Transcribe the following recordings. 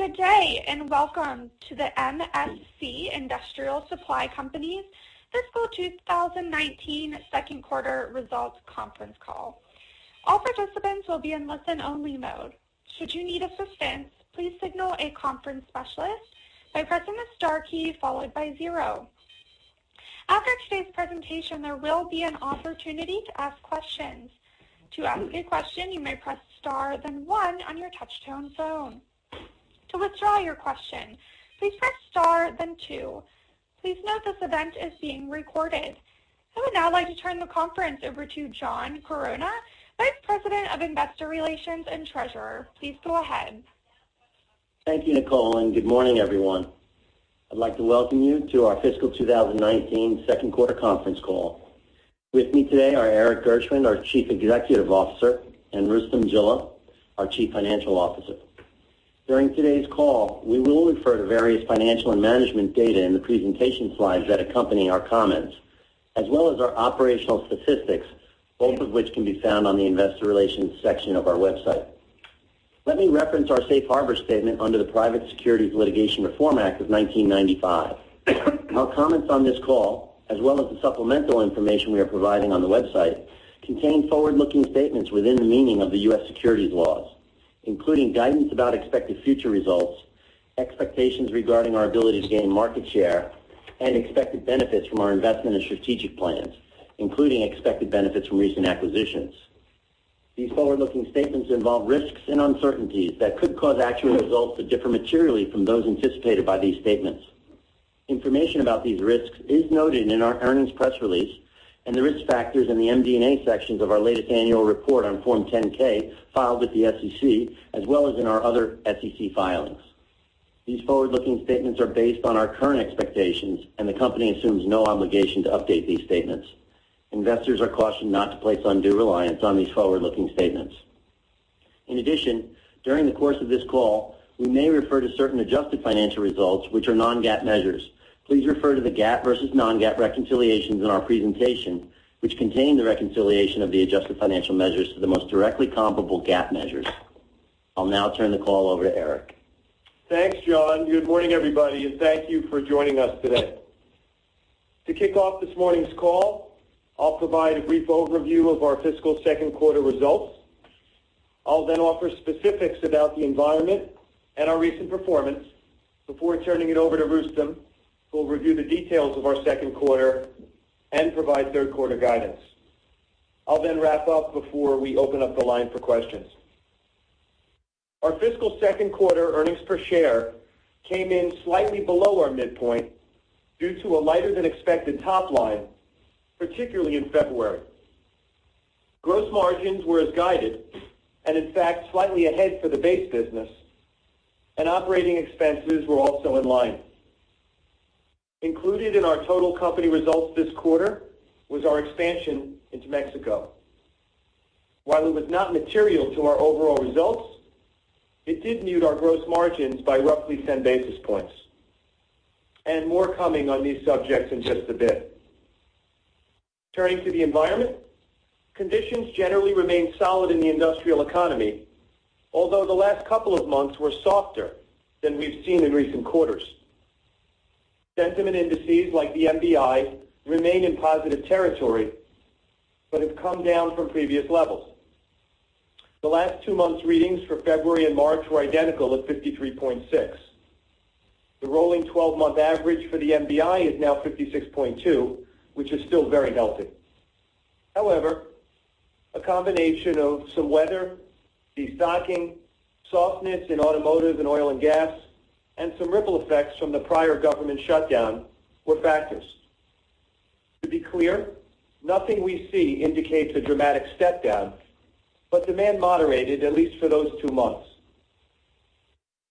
Good day, welcome to the MSC Industrial Direct Co.'s Fiscal 2019 second quarter results conference call. All participants will be in listen-only mode. Should you need assistance, please signal a conference specialist by pressing the star key followed by zero. After today's presentation, there will be an opportunity to ask questions. To ask a question, you may press star, then one on your touch-tone phone. To withdraw your question, please press star then two. Please note this event is being recorded. I would now like to turn the conference over to John Chironna, Vice President of Investor Relations and Treasurer. Please go ahead. Thank you, Nicole, good morning, everyone. I'd like to welcome you to our fiscal 2019 second quarter conference call. With me today are Erik Gershwind, our Chief Executive Officer, and Rustom Jilla, our Chief Financial Officer. During today's call, we will refer to various financial and management data in the presentation slides that accompany our comments, as well as our operational statistics, both of which can be found on the investor relations section of our website. Let me reference our safe harbor statement under the Private Securities Litigation Reform Act of 1995. Our comments on this call, as well as the supplemental information we are providing on the website, contain forward-looking statements within the meaning of the U.S. securities laws, including guidance about expected future results, expectations regarding our ability to gain market share, and expected benefits from our investment and strategic plans, including expected benefits from recent acquisitions. These forward-looking statements involve risks and uncertainties that could cause actual results to differ materially from those anticipated by these statements. Information about these risks is noted in our earnings press release and the risk factors in the MD&A sections of our latest annual report on Form 10-K filed with the SEC, as well as in our other SEC filings. These forward-looking statements are based on our current expectations, the company assumes no obligation to update these statements. Investors are cautioned not to place undue reliance on these forward-looking statements. In addition, during the course of this call, we may refer to certain adjusted financial results, which are non-GAAP measures. Please refer to the GAAP versus non-GAAP reconciliations in our presentation, which contain the reconciliation of the adjusted financial measures to the most directly comparable GAAP measures. I'll now turn the call over to Erik. Thanks, John. Good morning, everybody, thank you for joining us today. To kick off this morning's call, I'll provide a brief overview of our fiscal second quarter results. I'll then offer specifics about the environment and our recent performance before turning it over to Rustom, who will review the details of our second quarter and provide third quarter guidance. I'll then wrap up before we open up the line for questions. Our fiscal second quarter earnings per share came in slightly below our midpoint due to a lighter-than-expected top line, particularly in February. Gross margins were as guided, in fact, slightly ahead for the base business, operating expenses were also in line. Included in our total company results this quarter was our expansion into Mexico. While it was not material to our overall results, it did mute our gross margins by roughly 10 basis points. More coming on these subjects in just a bit. Turning to the environment, conditions generally remain solid in the industrial economy, although the last couple of months were softer than we've seen in recent quarters. Sentiment indices like the MBI remain in positive territory but have come down from previous levels. The last two months' readings for February and March were identical at 53.6. The rolling 12-month average for the MBI is now 56.2, which is still very healthy. However, a combination of some weather, destocking, softness in automotive and oil and gas, and some ripple effects from the prior government shutdown were factors. To be clear, nothing we see indicates a dramatic step down, but demand moderated, at least for those two months.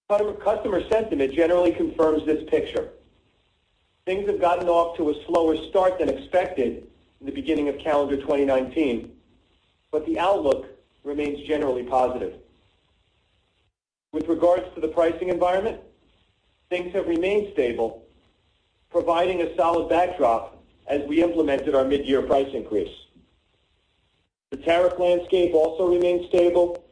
Customer sentiment generally confirms this picture. Things have gotten off to a slower start than expected in the beginning of calendar 2019, but the outlook remains generally positive. With regards to the pricing environment, things have remained stable, providing a solid backdrop as we implemented our mid-year price increase. The tariff landscape also remains stable,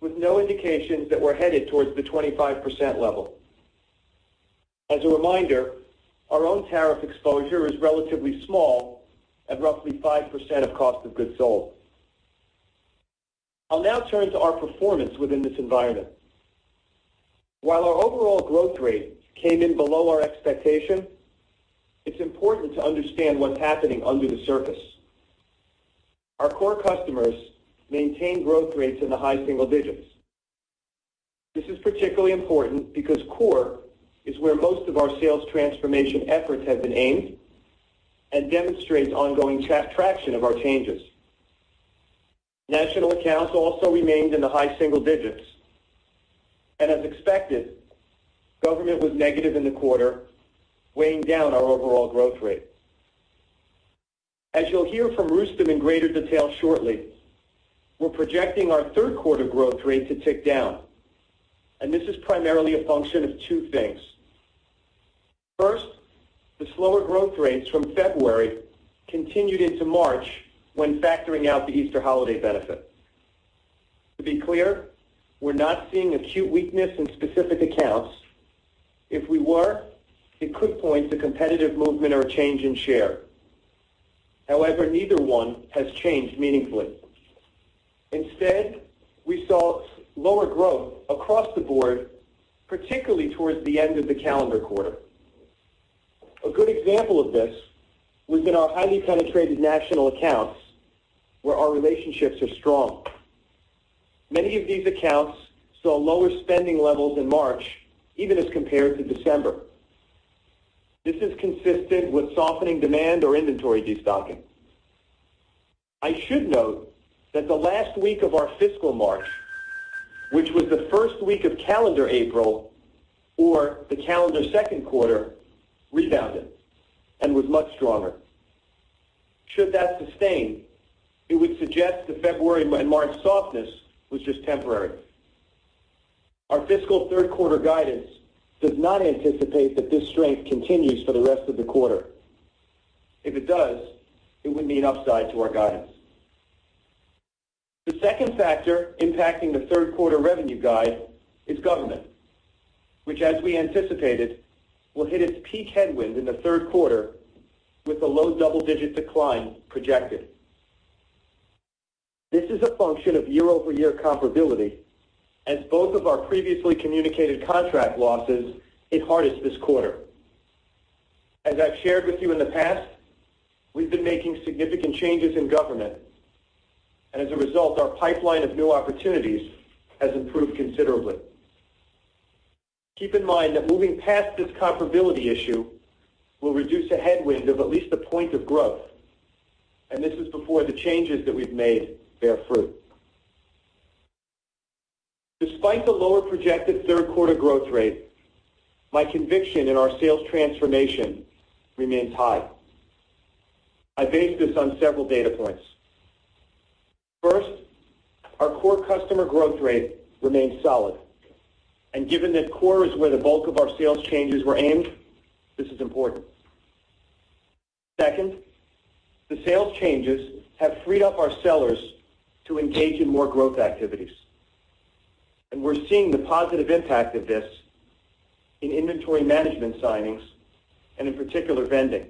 with no indications that we're headed towards the 25% level. As a reminder, our own tariff exposure is relatively small at roughly 5% of cost of goods sold. I'll now turn to our performance within this environment. While our overall growth rate came in below our expectation, it's important to understand what's happening under the surface. Our core customers maintained growth rates in the high single digits. This is particularly important because core is where most of our sales transformation efforts have been aimed and demonstrates ongoing traction of our changes. National accounts also remained in the high single digits. As expected, government was negative in the quarter, weighing down our overall growth rate. As you'll hear from Rustom in greater detail shortly, we're projecting our third quarter growth rate to tick down, and this is primarily a function of two things. First, the slower growth rates from February continued into March when factoring out the Easter holiday benefit. To be clear, we're not seeing acute weakness in specific accounts. If we were, it could point to competitive movement or a change in share. However, neither one has changed meaningfully. Instead, we saw lower growth across the board, particularly towards the end of the calendar quarter. A good example of this was in our highly penetrated national accounts, where our relationships are strong. Many of these accounts saw lower spending levels in March, even as compared to December. This is consistent with softening demand or inventory destocking. I should note that the last week of our fiscal March which was the first week of calendar April, or the calendar second quarter, rebounded and was much stronger. Should that sustain, it would suggest the February and March softness was just temporary. Our fiscal third quarter guidance does not anticipate that this strength continues for the rest of the quarter. If it does, it would mean upside to our guidance. The second factor impacting the third quarter revenue guide is government, which, as we anticipated, will hit its peak headwind in the third quarter with a low double-digit decline projected. This is a function of year-over-year comparability as both of our previously communicated contract losses hit hardest this quarter. As I've shared with you in the past, we've been making significant changes in government, and as a result, our pipeline of new opportunities has improved considerably. Keep in mind that moving past this comparability issue will reduce a headwind of at least a point of growth, this is before the changes that we've made bear fruit. Despite the lower projected third quarter growth rate, my conviction in our sales transformation remains high. I base this on several data points. First, our core customer growth rate remains solid. Given that core is where the bulk of our sales changes were aimed, this is important. Second, the sales changes have freed up our sellers to engage in more growth activities. We're seeing the positive impact of this in inventory management signings and in particular, vending.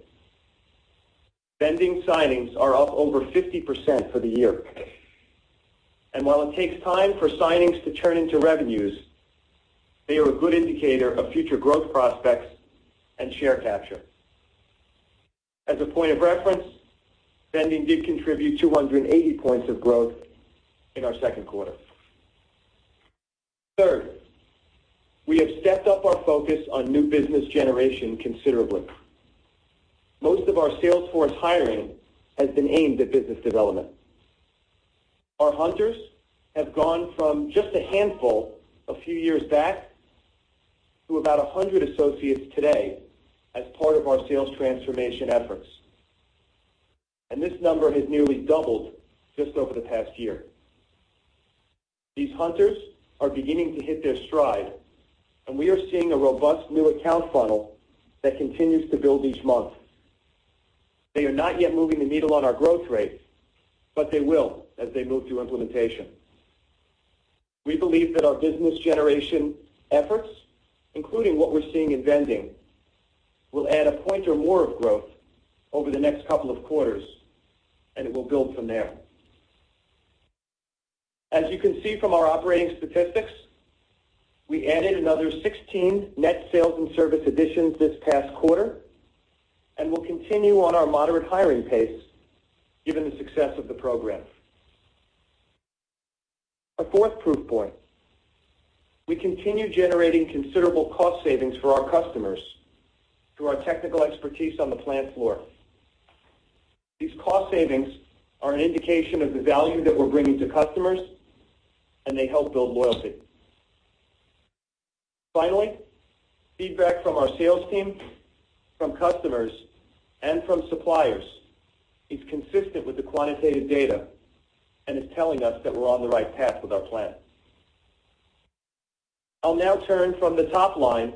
Vending signings are up over 50% for the year. While it takes time for signings to turn into revenues, they are a good indicator of future growth prospects and share capture. As a point of reference, vending did contribute 280 points of growth in our second quarter. Third, we have stepped up our focus on new business generation considerably. Most of our sales force hiring has been aimed at business development. Our hunters have gone from just a handful a few years back to about 100 associates today as part of our sales transformation efforts. This number has nearly doubled just over the past year. These hunters are beginning to hit their stride, we are seeing a robust new account funnel that continues to build each month. They are not yet moving the needle on our growth rate, they will as they move through implementation. We believe that our business generation efforts, including what we're seeing in vending, will add a point or more of growth over the next couple of quarters, it will build from there. As you can see from our operating statistics, we added another 16 net sales and service additions this past quarter and will continue on our moderate hiring pace given the success of the program. A fourth proof point, we continue generating considerable cost savings for our customers through our technical expertise on the plant floor. These cost savings are an indication of the value that we're bringing to customers, they help build loyalty. Finally, feedback from our sales team, from customers, and from suppliers is consistent with the quantitative data is telling us that we're on the right path with our plan. I'll now turn from the top line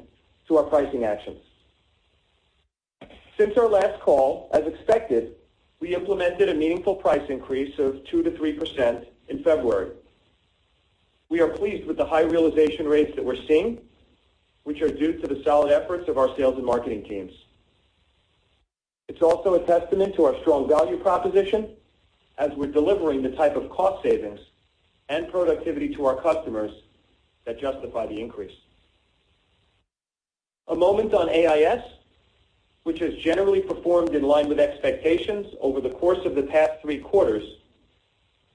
to our pricing actions. Since our last call, as expected, we implemented a meaningful price increase of 2%-3% in February. We are pleased with the high realization rates that we're seeing, which are due to the solid efforts of our sales and marketing teams. It's also a testament to our strong value proposition as we're delivering the type of cost savings and productivity to our customers that justify the increase. A moment on All Integrated Solutions, which has generally performed in line with expectations over the course of the past three quarters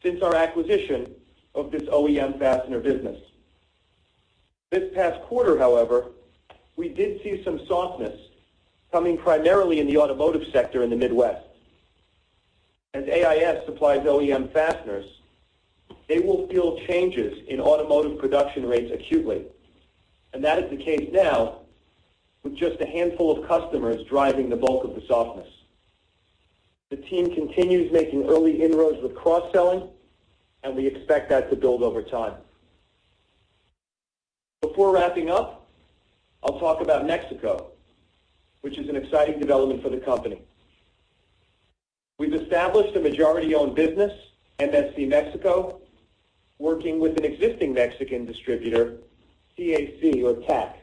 since our acquisition of this OEM fastener business. This past quarter, however, we did see some softness coming primarily in the automotive sector in the Midwest. As All Integrated Solutions supplies OEM fasteners, they will feel changes in automotive production rates acutely, that is the case now with just a handful of customers driving the bulk of the softness. The team continues making early inroads with cross-selling, we expect that to build over time. Before wrapping up, I'll talk about Mexico, which is an exciting development for the company. We've established a majority-owned business, MSC Mexico, working with an existing Mexican distributor, TAC.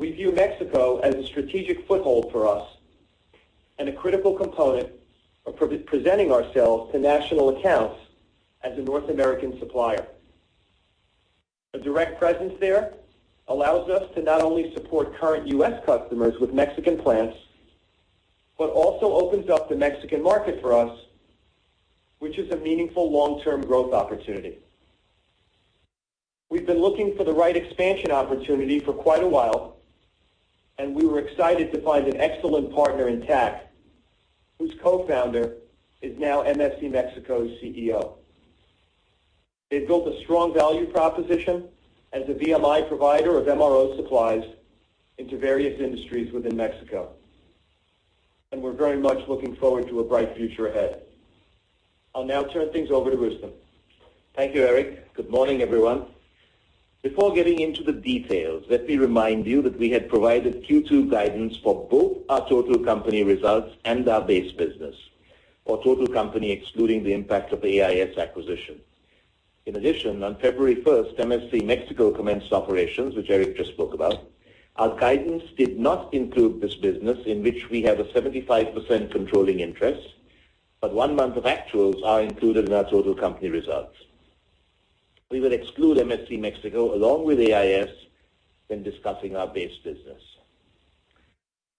We view Mexico as a strategic foothold for us and a critical component of presenting ourselves to national accounts as a North American supplier. A direct presence there allows us to not only support current U.S. customers with Mexican plants, but also opens up the Mexican market for us, which is a meaningful long-term growth opportunity. We've been looking for the right expansion opportunity for quite a while, and we were excited to find an excellent partner in TAC, whose co-founder is now MSC Mexico's CEO. They've built a strong value proposition as a VMI provider of MRO supplies into various industries within Mexico. We're very much looking forward to a bright future ahead. I'll now turn things over to Rustom. Thank you, Erik. Good morning, everyone. Before getting into the details, let me remind you that we had provided Q2 guidance for both our total company results and our base business, or total company excluding the impact of the AIS acquisition. On February first, MSC Mexico commenced operations, which Erik just spoke about. Our guidance did not include this business in which we have a 75% controlling interest, but one month of actuals are included in our total company results. We will exclude MSC Mexico along with AIS when discussing our base business.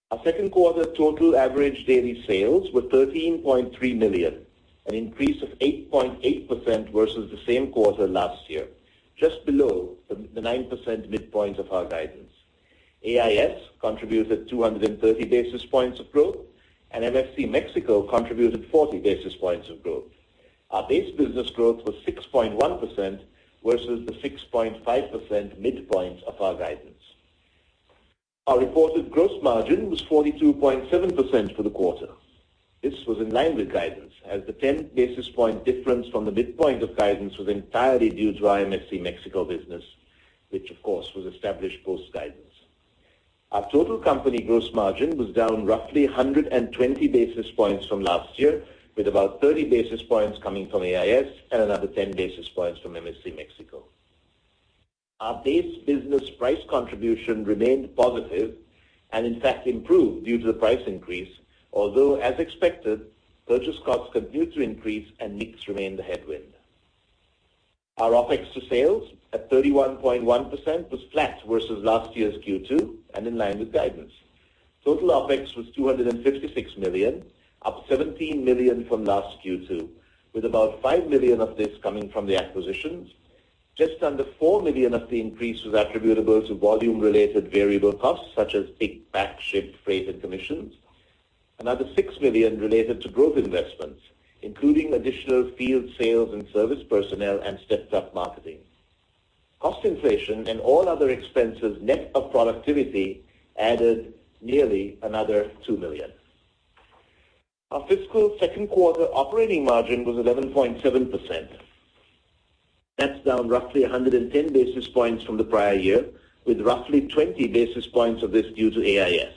Our second quarter total average daily sales were $13.3 million, an increase of 8.8% versus the same quarter last year, just below the 9% midpoint of our guidance. AIS contributed 230 basis points of growth, and MSC Mexico contributed 40 basis points of growth. Our base business growth was 6.1% versus the 6.5% midpoint of our guidance. Our reported gross margin was 42.7% for the quarter. This was in line with guidance as the 10 basis point difference from the midpoint of guidance was entirely due to our MSC Mexico business, which of course was established post-guidance. Our total company gross margin was down roughly 120 basis points from last year, with about 30 basis points coming from AIS and another 10 basis points from MSC Mexico. Our base business price contribution remained positive and, in fact, improved due to the price increase, although, as expected, purchase costs continued to increase and mix remained a headwind. Our OpEx to sales at 31.1% was flat versus last year's Q2 and in line with guidance. Total OpEx was $256 million, up $17 million from last Q2, with about $5 million of this coming from the acquisitions. Just under $4 million of the increase was attributable to volume-related variable costs, such as pick, pack, ship, freight, and commissions. Another $6 million related to growth investments, including additional field sales and service personnel and stepped-up marketing. Cost inflation and all other expenses net of productivity added nearly another $2 million. Our fiscal second quarter operating margin was 11.7%. That's down roughly 110 basis points from the prior year, with roughly 20 basis points of this due to AIS.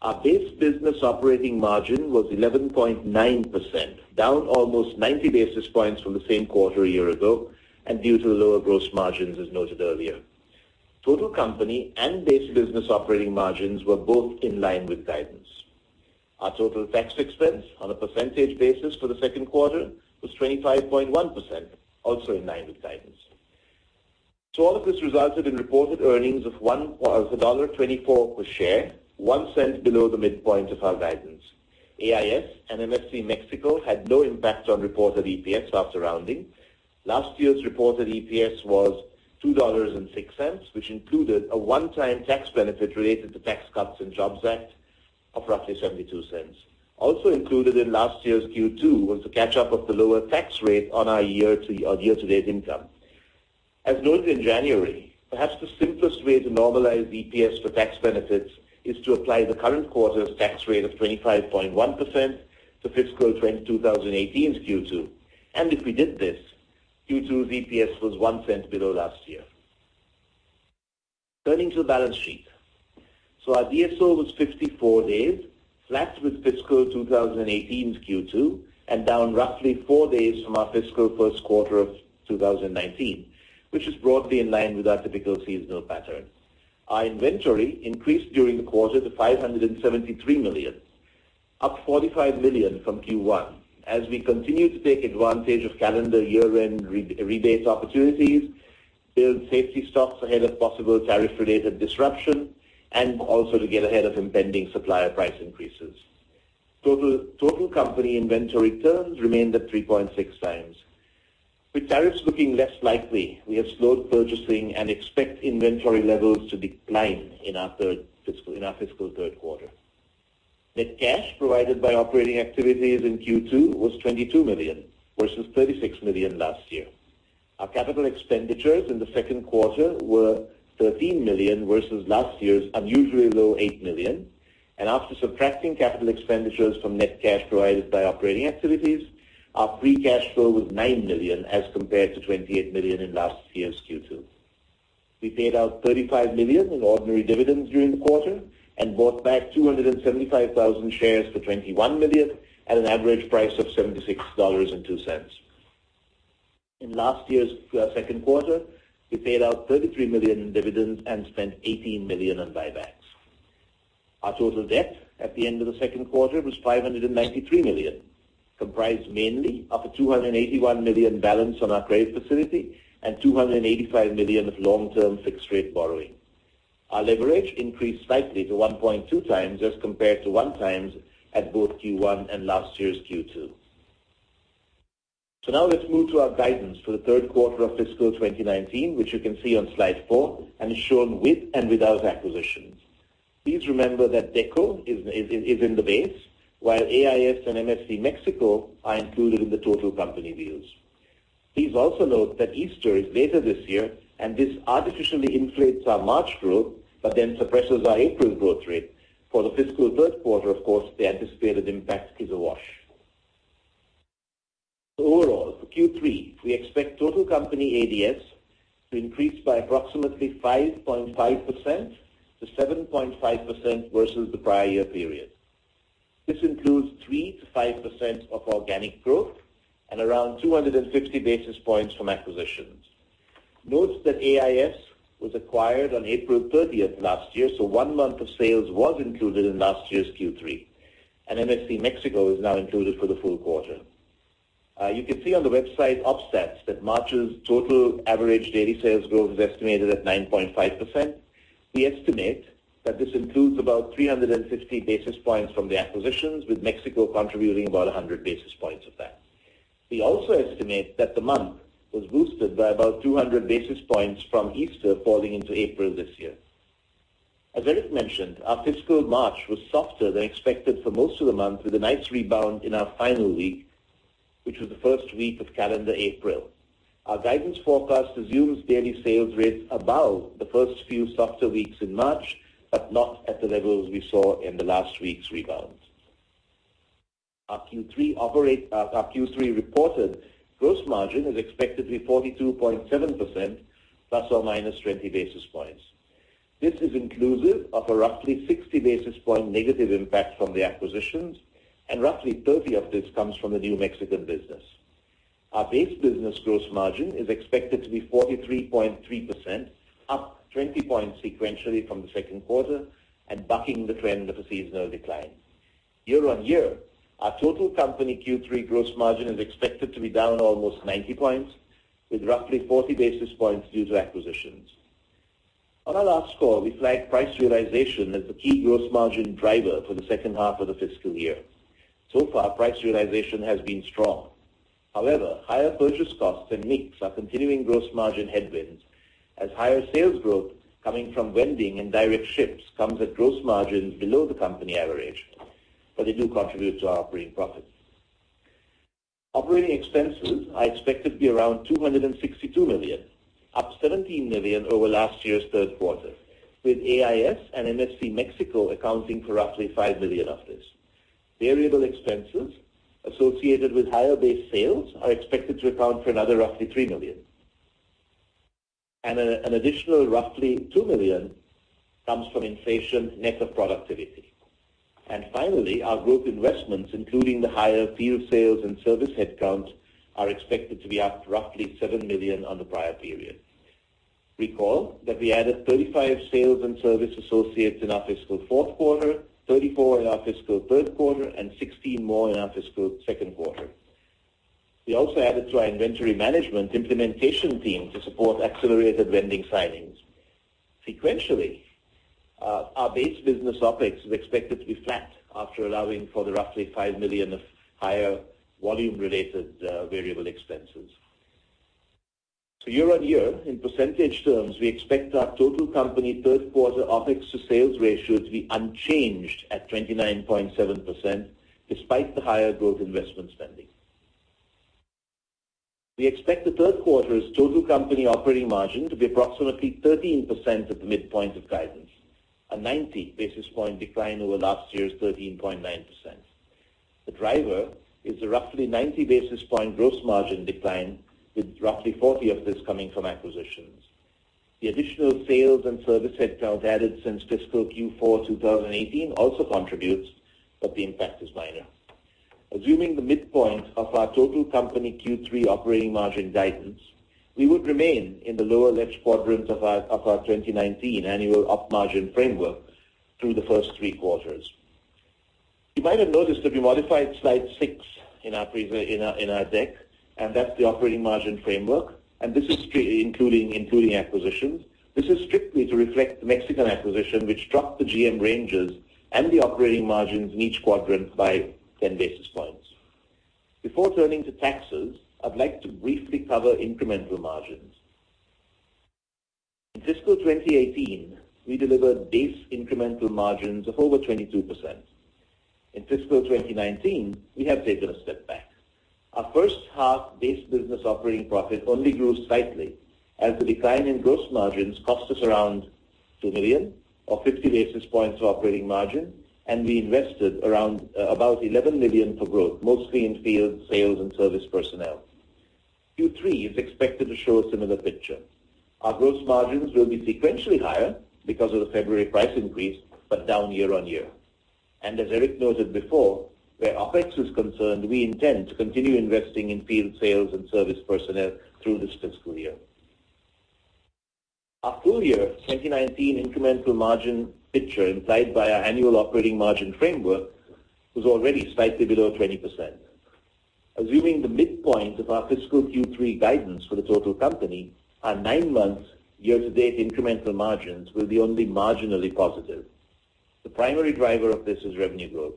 Our base business operating margin was 11.9%, down almost 90 basis points from the same quarter a year ago, and due to lower gross margins, as noted earlier. Total company and base business operating margins were both in line with guidance. Our total tax expense on a percentage basis for the second quarter was 25.1%, also in line with guidance. All of this resulted in reported earnings of $1.24 per share, $0.01 below the midpoint of our guidance. AIS and MSC Mexico had no impact on reported EPS after rounding. Last year's reported EPS was $2.06, which included a one-time tax benefit related to Tax Cuts and Jobs Act of roughly $0.72. Also included in last year's Q2 was the catch-up of the lower tax rate on our year to date income. As noted in January, perhaps the simplest way to normalize EPS for tax benefits is to apply the current quarter's tax rate of 25.1% to fiscal 2018's Q2. If we did this, Q2 EPS was $0.01 below last year. Turning to the balance sheet. Our DSO was 54 days, flat with fiscal 2018's Q2 and down roughly four days from our fiscal first quarter of 2019, which is broadly in line with our typical seasonal pattern. Our inventory increased during the quarter to $573 million, up $45 million from Q1, as we continued to take advantage of calendar year-end rebates opportunities, build safety stocks ahead of possible tariff-related disruption, and also to get ahead of impending supplier price increases. Total company inventory turns remained at 3.6 times. With tariffs looking less likely, we have slowed purchasing and expect inventory levels to decline in our fiscal third quarter. Net cash provided by operating activities in Q2 was $22 million, versus $36 million last year. Our capital expenditures in the second quarter were $13 million versus last year's unusually low $8 million. After subtracting capital expenditures from net cash provided by operating activities, our free cash flow was $9 million as compared to $28 million in last year's Q2. We paid out $35 million in ordinary dividends during the quarter and bought back 275,000 shares for $21 million at an average price of $76.02. In last year's second quarter, we paid out $33 million in dividends and spent $18 million on buybacks. Our total debt at the end of the second quarter was $593 million, comprised mainly of a $281 million balance on our credit facility and $285 million of long-term fixed-rate borrowing. Our leverage increased slightly to 1.2x as compared to 1x at both Q1 and last year's Q2. Now let's move to our guidance for the third quarter of fiscal 2019, which you can see on slide four and is shown with and without acquisitions. Please remember that DECO is in the base, while AIS and MSC Mexico are included in the total company views. Please also note that Easter is later this year, this artificially inflates our March growth, then suppresses our April growth rate. For the fiscal third quarter, of course, the anticipated impact is a wash. Overall, for Q3, we expect total company ADS to increase by approximately 5.5%-7.5% versus the prior year period. This includes 3%-5% of organic growth and around 250 basis points from acquisitions. Note that AIS was acquired on April 30th last year, so one month of sales was included in last year's Q3, and MSC Mexico is now included for the full quarter. You can see on the website op stats that March's total average daily sales growth is estimated at 9.5%. We estimate that this includes about 350 basis points from the acquisitions, with Mexico contributing about 100 basis points of that. We also estimate that the month was boosted by about 200 basis points from Easter falling into April this year. As Erik mentioned, our fiscal March was softer than expected for most of the month, with a nice rebound in our final week, which was the first week of calendar April. Our guidance forecast assumes daily sales rates above the first few softer weeks in March, but not at the levels we saw in the last week's rebound. Our Q3 reported gross margin is expected to be 42.7%, ±20 basis points. This is inclusive of a roughly 60 basis point negative impact from the acquisitions, and roughly 30 of this comes from the New Mexican business. Our base business gross margin is expected to be 43.3%, up 20 points sequentially from the second quarter and bucking the trend of a seasonal decline. Year-on-year, our total company Q3 gross margin is expected to be down almost 90 points, with roughly 40 basis points due to acquisitions. On our last call, we flagged price realization as the key gross margin driver for the second half of the fiscal year. So far, price realization has been strong. However, higher purchase costs and mix are continuing gross margin headwinds as higher sales growth coming from vending and direct ships comes at gross margins below the company average, but they do contribute to our operating profit. Operating expenses are expected to be around $262 million, up $17 million over last year's third quarter, with AIS and MSC Mexico accounting for roughly $5 million of this. Variable expenses associated with higher base sales are expected to account for another roughly $3 million. An additional roughly $2 million comes from inflation net of productivity. Finally, our growth investments, including the higher field sales and service headcounts, are expected to be up roughly $7 million on the prior period. Recall that we added 35 sales and service associates in our fiscal fourth quarter, 34 in our fiscal third quarter, and 16 more in our fiscal second quarter. We also added to our inventory management implementation team to support accelerated vending signings. Sequentially, our base business OpEx is expected to be flat after allowing for the roughly $5 million of higher volume-related variable expenses. Year-on-year, in percentage terms, we expect our total company third quarter OpEx to sales ratio to be unchanged at 29.7%, despite the higher growth investment spending. We expect the third quarter's total company operating margin to be approximately 13% at the midpoint of guidance, a 90 basis point decline over last year's 13.9%. The driver is a roughly 90 basis point gross margin decline, with roughly 40 of this coming from acquisitions. The additional sales and service headcount added since fiscal Q4 2018 also contributes, but the impact is minor. Assuming the midpoint of our total company Q3 operating margin guidance, we would remain in the lower left quadrant of our 2019 annual op margin framework through the first three quarters. You might have noticed that we modified slide six in our deck, and that's the operating margin framework, and this is including acquisitions. This is strictly to reflect the Mexican acquisition, which dropped the GM ranges and the operating margins in each quadrant by 10 basis points. Before turning to taxes, I'd like to briefly cover incremental margins. In fiscal 2018, we delivered base incremental margins of over 22%. In fiscal 2019, we have taken a step back. Our first half base business operating profit only grew slightly as the decline in gross margins cost us around $2 million or 50 basis points of operating margin, and we invested around about $11 million for growth, mostly in field sales and service personnel. Q3 is expected to show a similar picture. Our gross margins will be sequentially higher because of the February price increase, but down year-over-year. As Erik noted before, where OpEx is concerned, we intend to continue investing in field sales and service personnel through this fiscal year. Our full year 2019 incremental margin picture implied by our annual operating margin framework was already slightly below 20%. Assuming the midpoint of our fiscal Q3 guidance for the total company, our 9 months year-to-date incremental margins will be only marginally positive. The primary driver of this is revenue growth.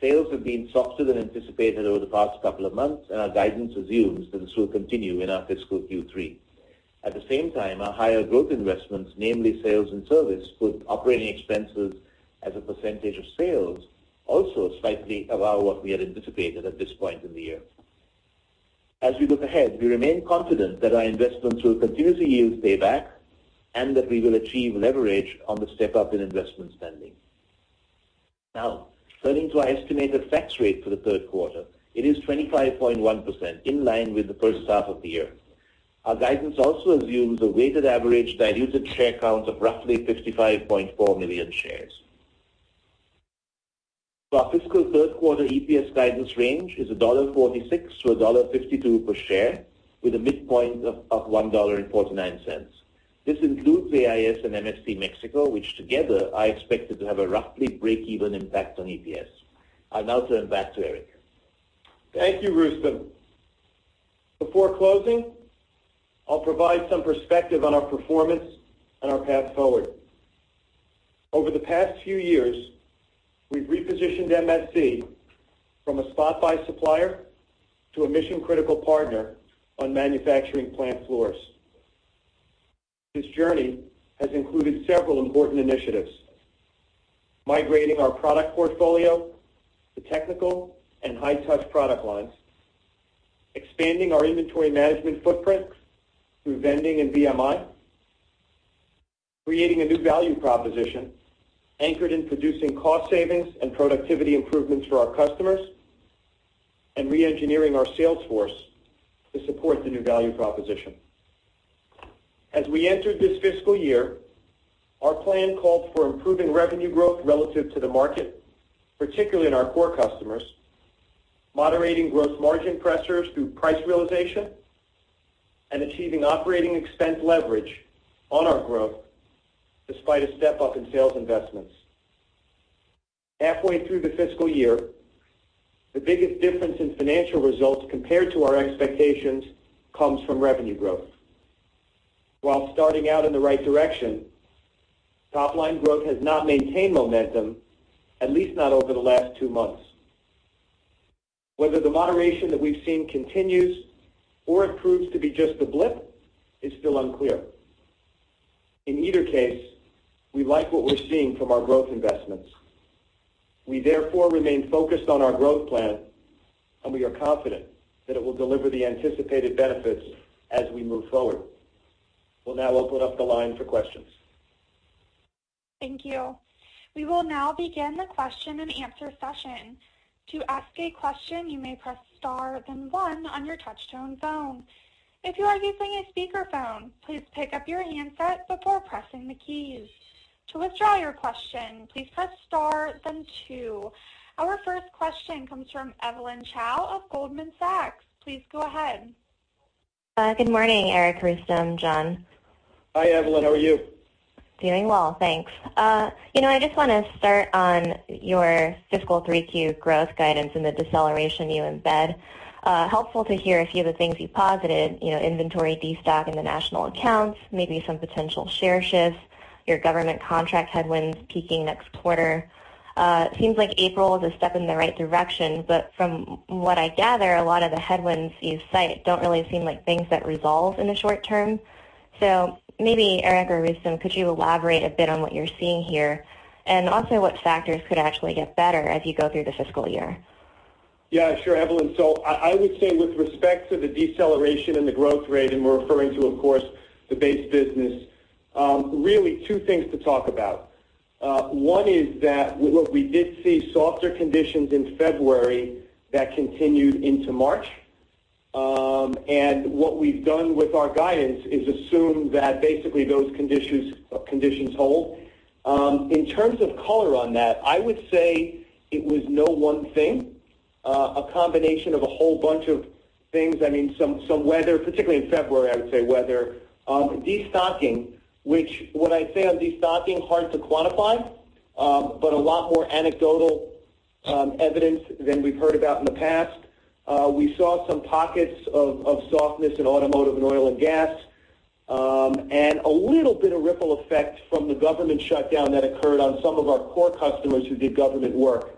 Sales have been softer than anticipated over the past couple of months, and our guidance assumes this will continue in our fiscal Q3. At the same time, our higher growth investments, namely sales and service, put operating expenses as a percentage of sales also slightly above what we had anticipated at this point in the year. As we look ahead, we remain confident that our investments will continuously yield payback and that we will achieve leverage on the step-up in investment spending. Now, turning to our estimated tax rate for the third quarter, it is 25.1%, in line with the first half of the year. Our guidance also assumes a weighted average diluted share count of roughly 55.4 million shares. Our fiscal third quarter EPS guidance range is $1.46 to $1.52 per share, with a midpoint of $1.49. This includes AIS and MSC Mexico, which together are expected to have a roughly break-even impact on EPS. I now turn back to Erik. Thank you, Rustom. Before closing, I'll provide some perspective on our performance and our path forward. Over the past few years, we've repositioned MSC from a spot-buy supplier to a mission-critical partner on manufacturing plant floors. This journey has included several important initiatives: migrating our product portfolio to technical and high-touch product lines, expanding our inventory management footprint through vending and VMI, creating a new value proposition anchored in producing cost savings and productivity improvements for our customers, and re-engineering our sales force to support the new value proposition. As we entered this fiscal year, our plan called for improving revenue growth relative to the market, particularly in our core customers, moderating gross margin pressures through price realization, and achieving operating expense leverage on our growth despite a step-up in sales investments. Halfway through the fiscal year, the biggest difference in financial results compared to our expectations comes from revenue growth. While starting out in the right direction, top-line growth has not maintained momentum, at least not over the last two months. Whether the moderation that we've seen continues or it proves to be just a blip is still unclear. In either case, we like what we're seeing from our growth investments. We therefore remain focused on our growth plan, and we are confident that it will deliver the anticipated benefits as we move forward. We'll now open up the line for questions. Thank you. We will now begin the question and answer session. To ask a question, you may press star then one on your touchtone phone. If you are using a speakerphone, please pick up your handset before pressing the keys. To withdraw your question, please press star then two. Our first question comes from Evelyn Chow of Goldman Sachs. Please go ahead. Good morning, Erik, Rustom, John. Hi, Evelyn. How are you? Doing well, thanks. I just want to start on your fiscal 3Q growth guidance and the deceleration you embed. Helpful to hear a few of the things you posited, inventory destock in the national accounts, maybe some potential share shifts, your government contract headwinds peaking next quarter. Seems like April is a step in the right direction, but from what I gather, a lot of the headwinds you cite don't really seem like things that resolve in the short term. Maybe Erik or Rustom, could you elaborate a bit on what you're seeing here and also what factors could actually get better as you go through the fiscal year? Yeah, sure, Evelyn. I would say with respect to the deceleration and the growth rate, and we're referring to, of course, the base business, really two things to talk about. One is that what we did see softer conditions in February that continued into March. What we've done with our guidance is assume that basically those conditions hold. In terms of color on that, I would say it was no one thing. A combination of a whole bunch of things. Some weather, particularly in February, I would say weather. Destocking, which when I say on destocking, hard to quantify, but a lot more anecdotal evidence than we've heard about in the past. We saw some pockets of softness in automotive and oil and gas, and a little bit of ripple effect from the government shutdown that occurred on some of our core customers who did government work.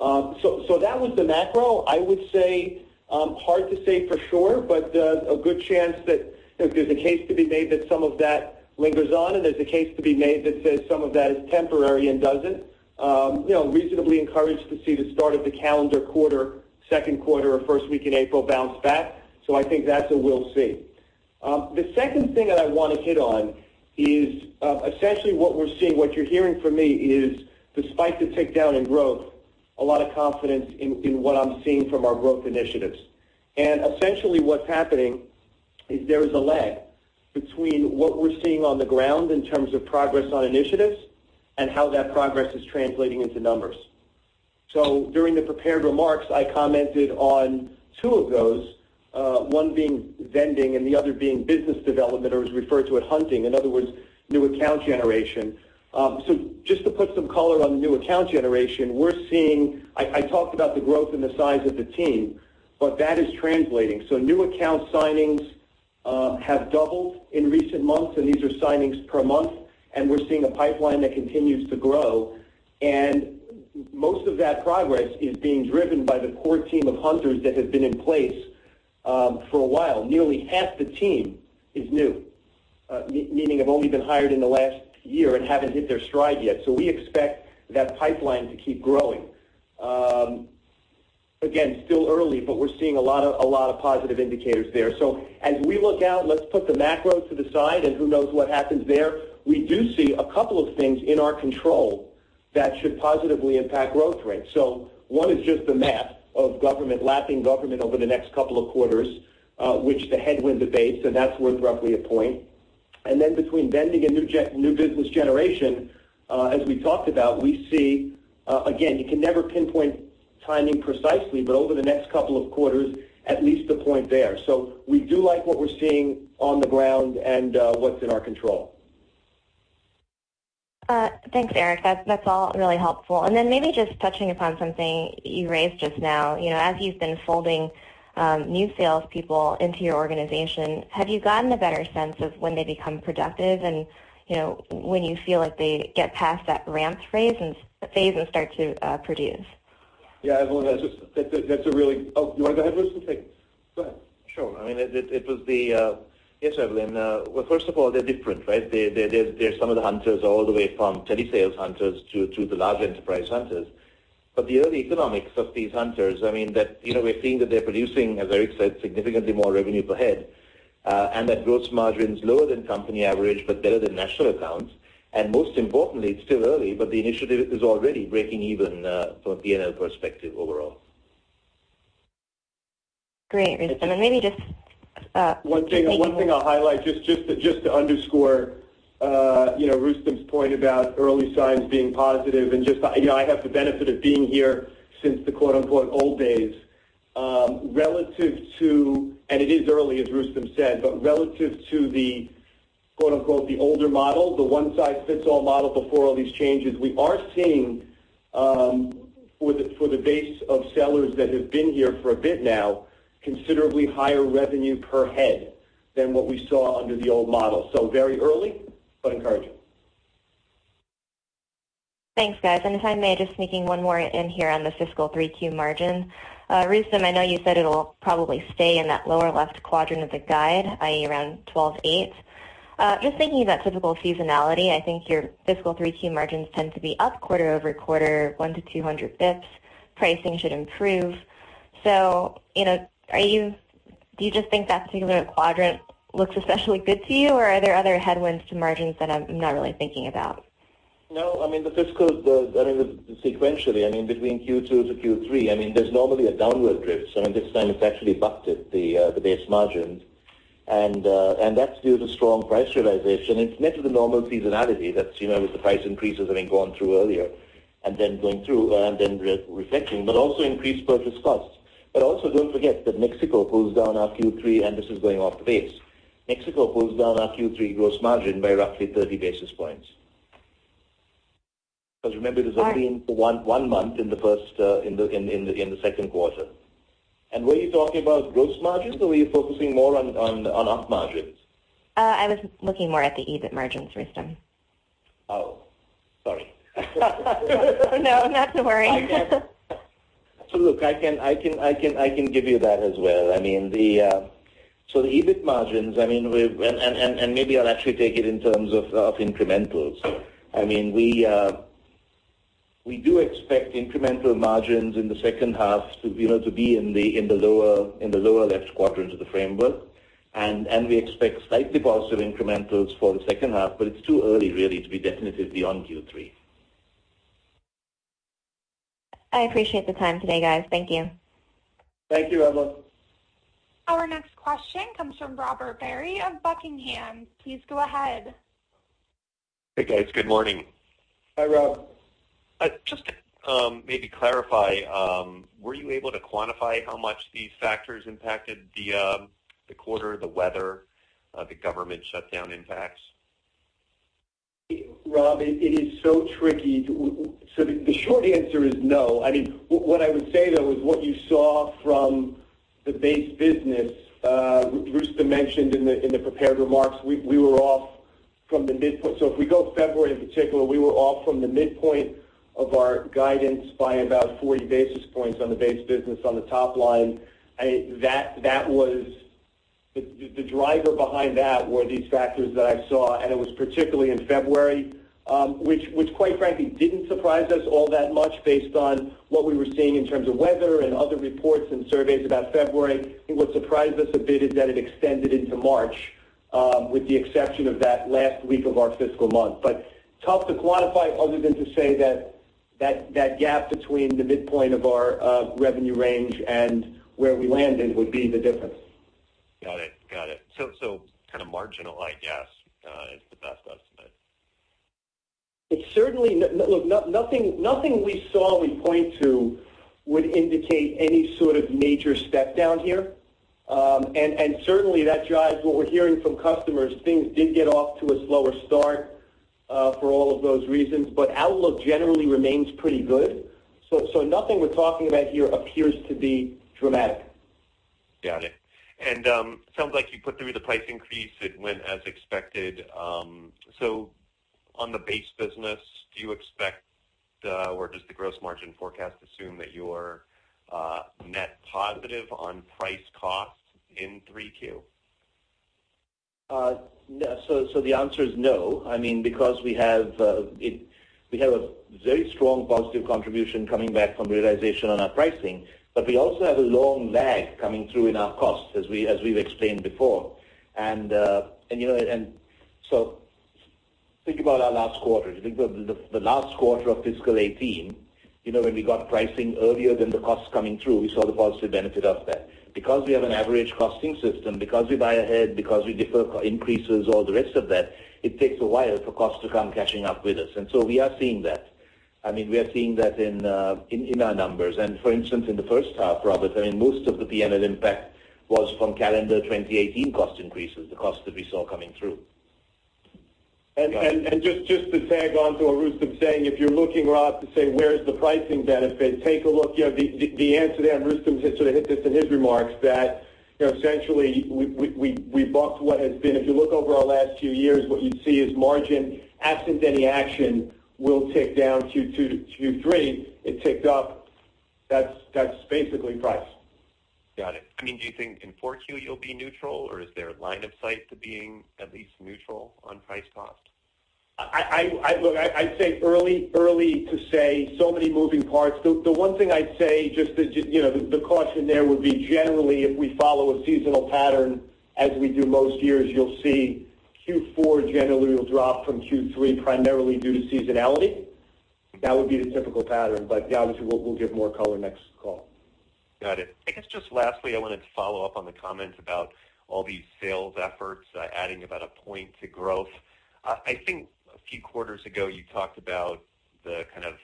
That was the macro. I would say, hard to say for sure, but there's a good chance that there's a case to be made that some of that lingers on, and there's a case to be made that says some of that is temporary and doesn't. Reasonably encouraged to see the start of the calendar quarter, second quarter or first week in April bounce back. I think that's a we'll see. The second thing that I want to hit on is, essentially what we're seeing, what you're hearing from me is despite the tick down in growth, a lot of confidence in what I'm seeing from our growth initiatives. Essentially what's happening is there is a lag between what we're seeing on the ground in terms of progress on initiatives and how that progress is translating into numbers. During the prepared remarks, I commented on two of those, one being vending and the other being business development, or as referred to as hunting. In other words, new account generation. Just to put some color on the new account generation, I talked about the growth and the size of the team, but that is translating. New account signings have doubled in recent months, and these are signings per month, and we're seeing a pipeline that continues to grow. Most of that progress is being driven by the core team of hunters that have been in place for a while. Nearly half the team is new, meaning have only been hired in the last year and haven't hit their stride yet. We expect that pipeline to keep growing. Again, still early, but we're seeing a lot of positive indicators there. As we look out, let's put the macro to the side and who knows what happens there. We do see a couple of things in our control that should positively impact growth rates. One is just the math of lapping government over the next couple of quarters, which the headwind debates, and that's worth roughly a point. Then between vending and new business generation, as we talked about, we see, again, you can never pinpoint timing precisely, but over the next couple of quarters, at least a point there. We do like what we're seeing on the ground and what's in our control. Thanks, Erik. That's all really helpful. Then maybe just touching upon something you raised just now. As you've been folding new salespeople into your organization, have you gotten a better sense of when they become productive and when you feel like they get past that ramp phase and start to produce? Yeah, Evelyn. Oh, you want to go ahead, Rustom? Take it. Go ahead. Sure. Yes, Evelyn. Well, first of all, they're different, right? There's some of the hunters, all the way from telesales hunters to the large enterprise hunters. The early economics of these hunters, we're seeing that they're producing, as Erik said, significantly more revenue per head, and that gross margin's lower than company average, but better than national accounts. Most importantly, it's still early, but the initiative is already breaking even from a P&L perspective overall. Great, Rustom. Maybe just- One thing I'll highlight just to underscore Rustom's point about early signs being positive and just, I have the benefit of being here since the quote, unquote "old days." It is early, as Rustom said, but relative to the quote, unquote, "the older model," the one-size-fits-all model before all these changes, we are seeing, for the base of sellers that have been here for a bit now, considerably higher revenue per head than what we saw under the old model. Very early, but encouraging. Thanks, guys. If I may, just sneaking one more in here on the fiscal 3Q margin. Rustom, I know you said it'll probably stay in that lower left quadrant of the guide, i.e., around 12.8%. Just thinking about typical seasonality, I think your fiscal 3Q margins tend to be up quarter-over-quarter, 1 to 200 basis points. Pricing should improve. Do you just think that particular quadrant looks especially good to you, or are there other headwinds to margins that I'm not really thinking about? No, sequentially, between Q2 to Q3, there's normally a downward drift. This time it's actually bucked at the base margins, and that's due to strong price realization. It's net of the normal seasonality. That's with the price increases having gone through earlier and then going through and then reflecting, but also increased purchase costs. Don't forget that Mexico pulls down our Q3, and this is going off the base. Mexico pulls down our Q3 gross margin by roughly 30 basis points. Remember, this has been one month in the second quarter. Were you talking about gross margins or were you focusing more on op margins? I was looking more at the EBIT margins, Rustom. Sorry. Not to worry. Look, I can give you that as well. The EBIT margins, and maybe I'll actually take it in terms of incrementals. We do expect incremental margins in the second half to be in the lower left quadrant of the framework. We expect slightly positive incrementals for the second half, but it's too early really to be definitive beyond Q3. I appreciate the time today, guys. Thank you. Thank you, Evelyn. Our next question comes from Robert Barry of Buckingham. Please go ahead. Hey, guys. Good morning. Hi, Rob. Just to maybe clarify, were you able to quantify how much these factors impacted the quarter, the weather, the government shutdown impacts? Rob, it is so tricky. The short answer is no. What I would say, though, is what you saw from the base business, Rustom mentioned in the prepared remarks, if we go February in particular, we were off from the midpoint of our guidance by about 40 basis points on the base business on the top line. The driver behind that were these factors that I saw, and it was particularly in February, which quite frankly didn't surprise us all that much based on what we were seeing in terms of weather and other reports and surveys about February. I think what surprised us a bit is that it extended into March, with the exception of that last week of our fiscal month. Tough to quantify other than to say that gap between the midpoint of our revenue range and where we landed would be the difference. Got it. Kind of marginal, I guess, is the best estimate. Nothing we saw we point to would indicate any sort of major step down here. Certainly that drives what we're hearing from customers. Things did get off to a slower start for all of those reasons, but outlook generally remains pretty good. Nothing we're talking about here appears to be dramatic. Got it. Sounds like you put through the price increase, it went as expected. On the base business, do you expect, or does the gross margin forecast assume that you're net positive on price cost in 3Q? The answer is no, because we have a very strong positive contribution coming back from realization on our pricing, we also have a long lag coming through in our costs as we've explained before. Think about our last quarter. If you think the last quarter of fiscal 2018, when we got pricing earlier than the costs coming through, we saw the positive benefit of that. Because we have an average costing system, because we buy ahead, because we defer increases, all the rest of that, it takes a while for costs to come catching up with us. We are seeing that. We are seeing that in our numbers. For instance, in the first half, Robert, most of the P&L impact was from calendar 2018 cost increases, the costs that we saw coming through. Just to tag onto what Rustom's saying, if you're looking, Rob, to say, "Where is the pricing benefit?" Take a look, the answer there, Rustom hit this in his remarks, that essentially we bucked what has been. If you look over our last few years, what you'd see is margin, absent any action, will tick down. Q2 to Q3, it ticked up. That's basically price. Got it. Do you think in 4Q you'll be neutral, or is there a line of sight to being at least neutral on price cost? I'd say early to say. Many moving parts. The one thing I'd say, the caution there would be generally if we follow a seasonal pattern as we do most years, you'll see Q4 generally will drop from Q3 primarily due to seasonality. That would be the typical pattern. Obviously, we'll give more color next call. Got it. I guess just lastly, I wanted to follow up on the comments about all these sales efforts adding about a point to growth. I think a few quarters ago you talked about the kind of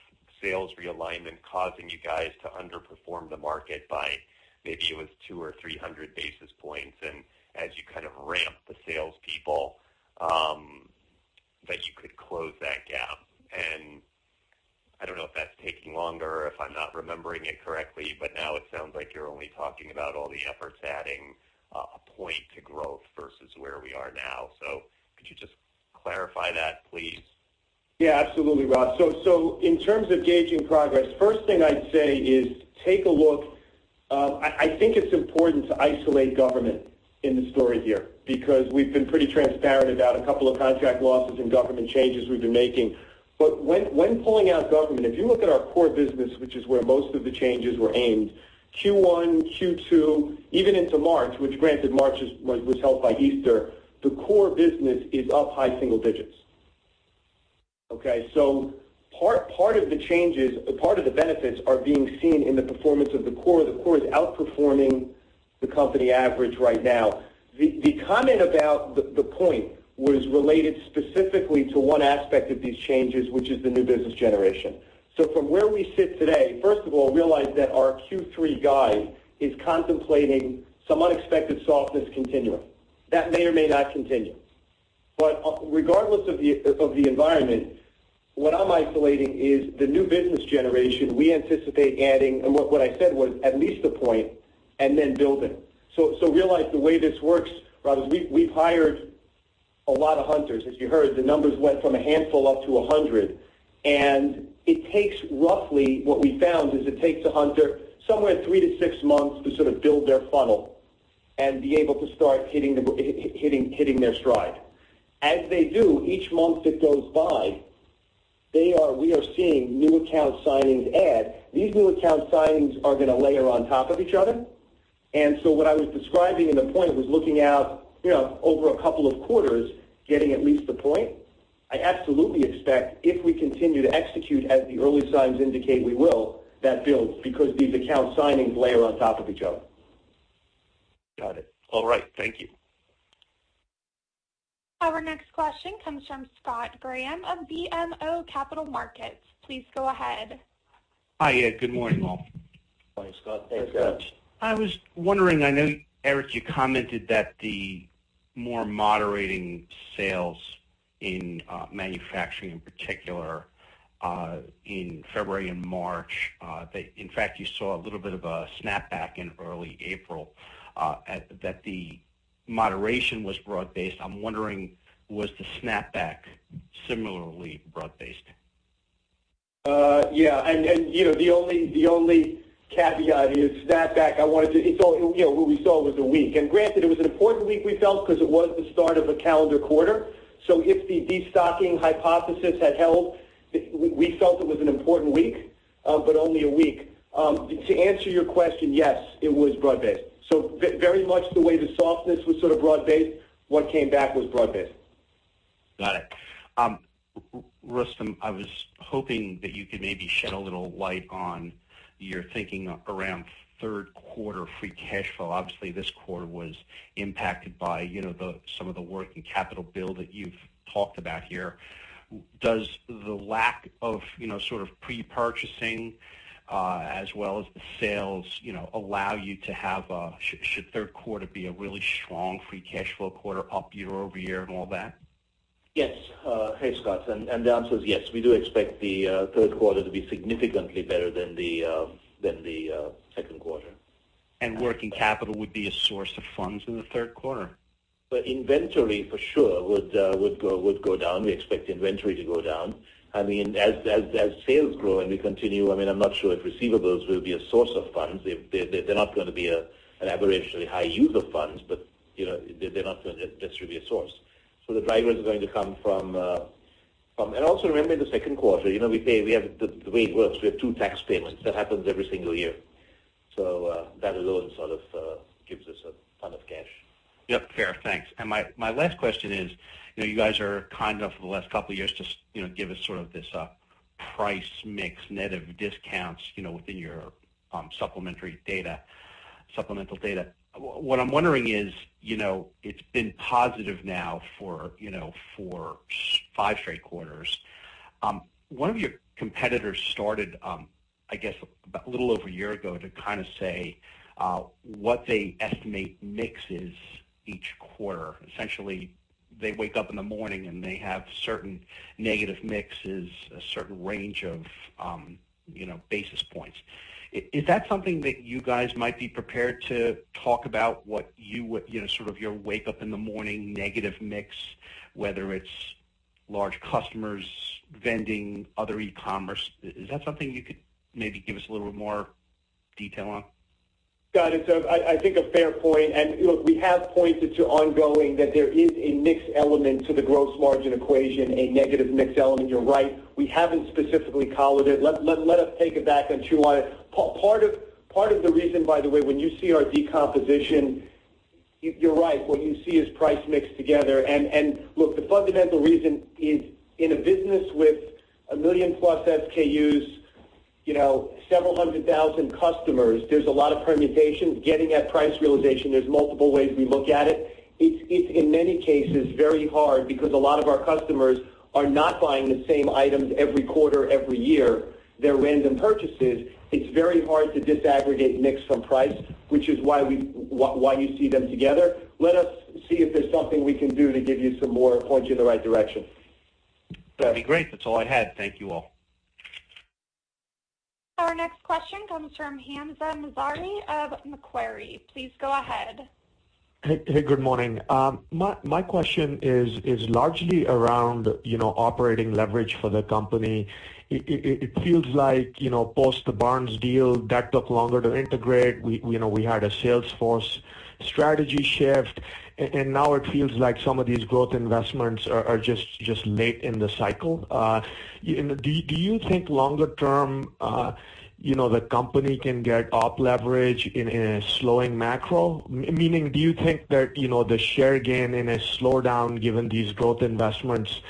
sales realignment causing you guys to underperform the market by maybe it was 200 or 300 basis points, and as you kind of ramp the salespeople, that you could close that gap. I don't know if that's taking longer or if I'm not remembering it correctly, now it sounds like you're only talking about all the efforts adding a point to growth versus where we are now. Could you just clarify that, please? Yeah, absolutely, Rob. In terms of gauging progress, first thing I'd say is take a look. I think it's important to isolate government in the story here, because we've been pretty transparent about a couple of contract losses and government changes we've been making. When pulling out government, if you look at our core business, which is where most of the changes were aimed, Q1, Q2, even into March, which granted March was held by Easter, the core business is up high single digits. Okay. Part of the benefits are being seen in the performance of the core. The core is outperforming the company average right now. The comment about the point was related specifically to one aspect of these changes, which is the new business generation. From where we sit today, first of all, realize that our Q3 guide is contemplating some unexpected softness continuing. That may or may not continue. Regardless of the environment, what I'm isolating is the new business generation we anticipate adding, and what I said was at least a point, and then building. Realize the way this works, Rob, is we've hired a lot of hunters. As you heard, the numbers went from a handful up to 100. What we found is it takes a hunter somewhere three to six months to sort of build their funnel and be able to start hitting their stride. As they do, each month that goes by, we are seeing new account signings add. These new account signings are going to layer on top of each other. What I was describing in the point was looking out over a couple of quarters, getting at least a point. I absolutely expect if we continue to execute as the early signs indicate we will, that builds, because these account signings layer on top of each other. Got it. All right. Thank you. Our next question comes from Scott Graham of BMO Capital Markets. Please go ahead. Hi. Good morning, all. Morning, Scott. Thanks. Hey, Scott. I was wondering, I know, Erik, you commented that the more moderating sales in manufacturing in particular, in February and March, that in fact you saw a little bit of a snapback in early April, that the moderation was broad-based. I am wondering, was the snapback similarly broad-based? Yeah. The only caveat is snapback. What we saw was one week. Granted, it was an important week, we felt, because it was the start of a calendar quarter. If the de-stocking hypothesis had held, we felt it was an important week, but only one week. To answer your question, yes, it was broad-based. Very much the way the softness was sort of broad-based, what came back was broad-based. Got it. Rustom, I was hoping that you could maybe shed a little light on your thinking around third quarter free cash flow. Obviously, this quarter was impacted by some of the working capital build that you've talked about here. Does the lack of pre-purchasing, as well as the sales, allow you to Should third quarter be a really strong free cash flow quarter up year-over-year and all that? Yes. Hey, Scott. The answer is yes. We do expect the third quarter to be significantly better than the second quarter. Working capital would be a source of funds in the third quarter? Well, inventory for sure would go down. We expect inventory to go down. As sales grow and we continue, I'm not sure if receivables will be a source of funds. They're not going to be an aberrantly high use of funds, but they're not going to just really a source. The drivers are going to come from. Also remember the second quarter, the way it works, we have two tax payments. That happens every single year. That alone sort of gives us a ton of cash. Yep. Fair. Thanks. My last question is, you guys are kind enough for the last couple of years to give us sort of this price mix negative discounts within your supplemental data. What I'm wondering is, it's been positive now for five straight quarters. One of your competitors started, I guess, a little over a year ago to kind of say, what they estimate mix is each quarter. Essentially, they wake up in the morning, and they have certain negative mixes, a certain range of basis points. Is that something that you guys might be prepared to talk about sort of your wake up in the morning negative mix, whether it's large customers, vending, other e-commerce. Is that something you could maybe give us a little bit more detail on? Scott, it's I think a fair point, look, we have pointed to ongoing that there is a mix element to the gross margin equation, a negative mix element. You're right. We haven't specifically collared it. Let us take it back and chew on it. Part of the reason, by the way, when you see our decomposition, you're right. What you see is price mixed together. Look, the fundamental reason is in a business with 1 million plus SKUs, several hundred thousand customers, there's a lot of permutations. Getting at price realization, there's multiple ways we look at it. It's in many cases very hard because a lot of our customers are not buying the same items every quarter, every year. They're random purchases. It's very hard to disaggregate mix from price, which is why you see them together. Let us see if there's something we can do to point you in the right direction. That'd be great. That's all I had. Thank you all. Our next question comes from Hamza Mazari of Macquarie. Please go ahead. Hey, good morning. My question is largely around operating leverage for the company. It feels like post the Barnes deal, that took longer to integrate. We had a sales force strategy shift, and now it feels like some of these growth investments are just late in the cycle. Do you think longer term the company can get op leverage in a slowing macro? Meaning, do you think that the share gain in a slowdown given these growth investments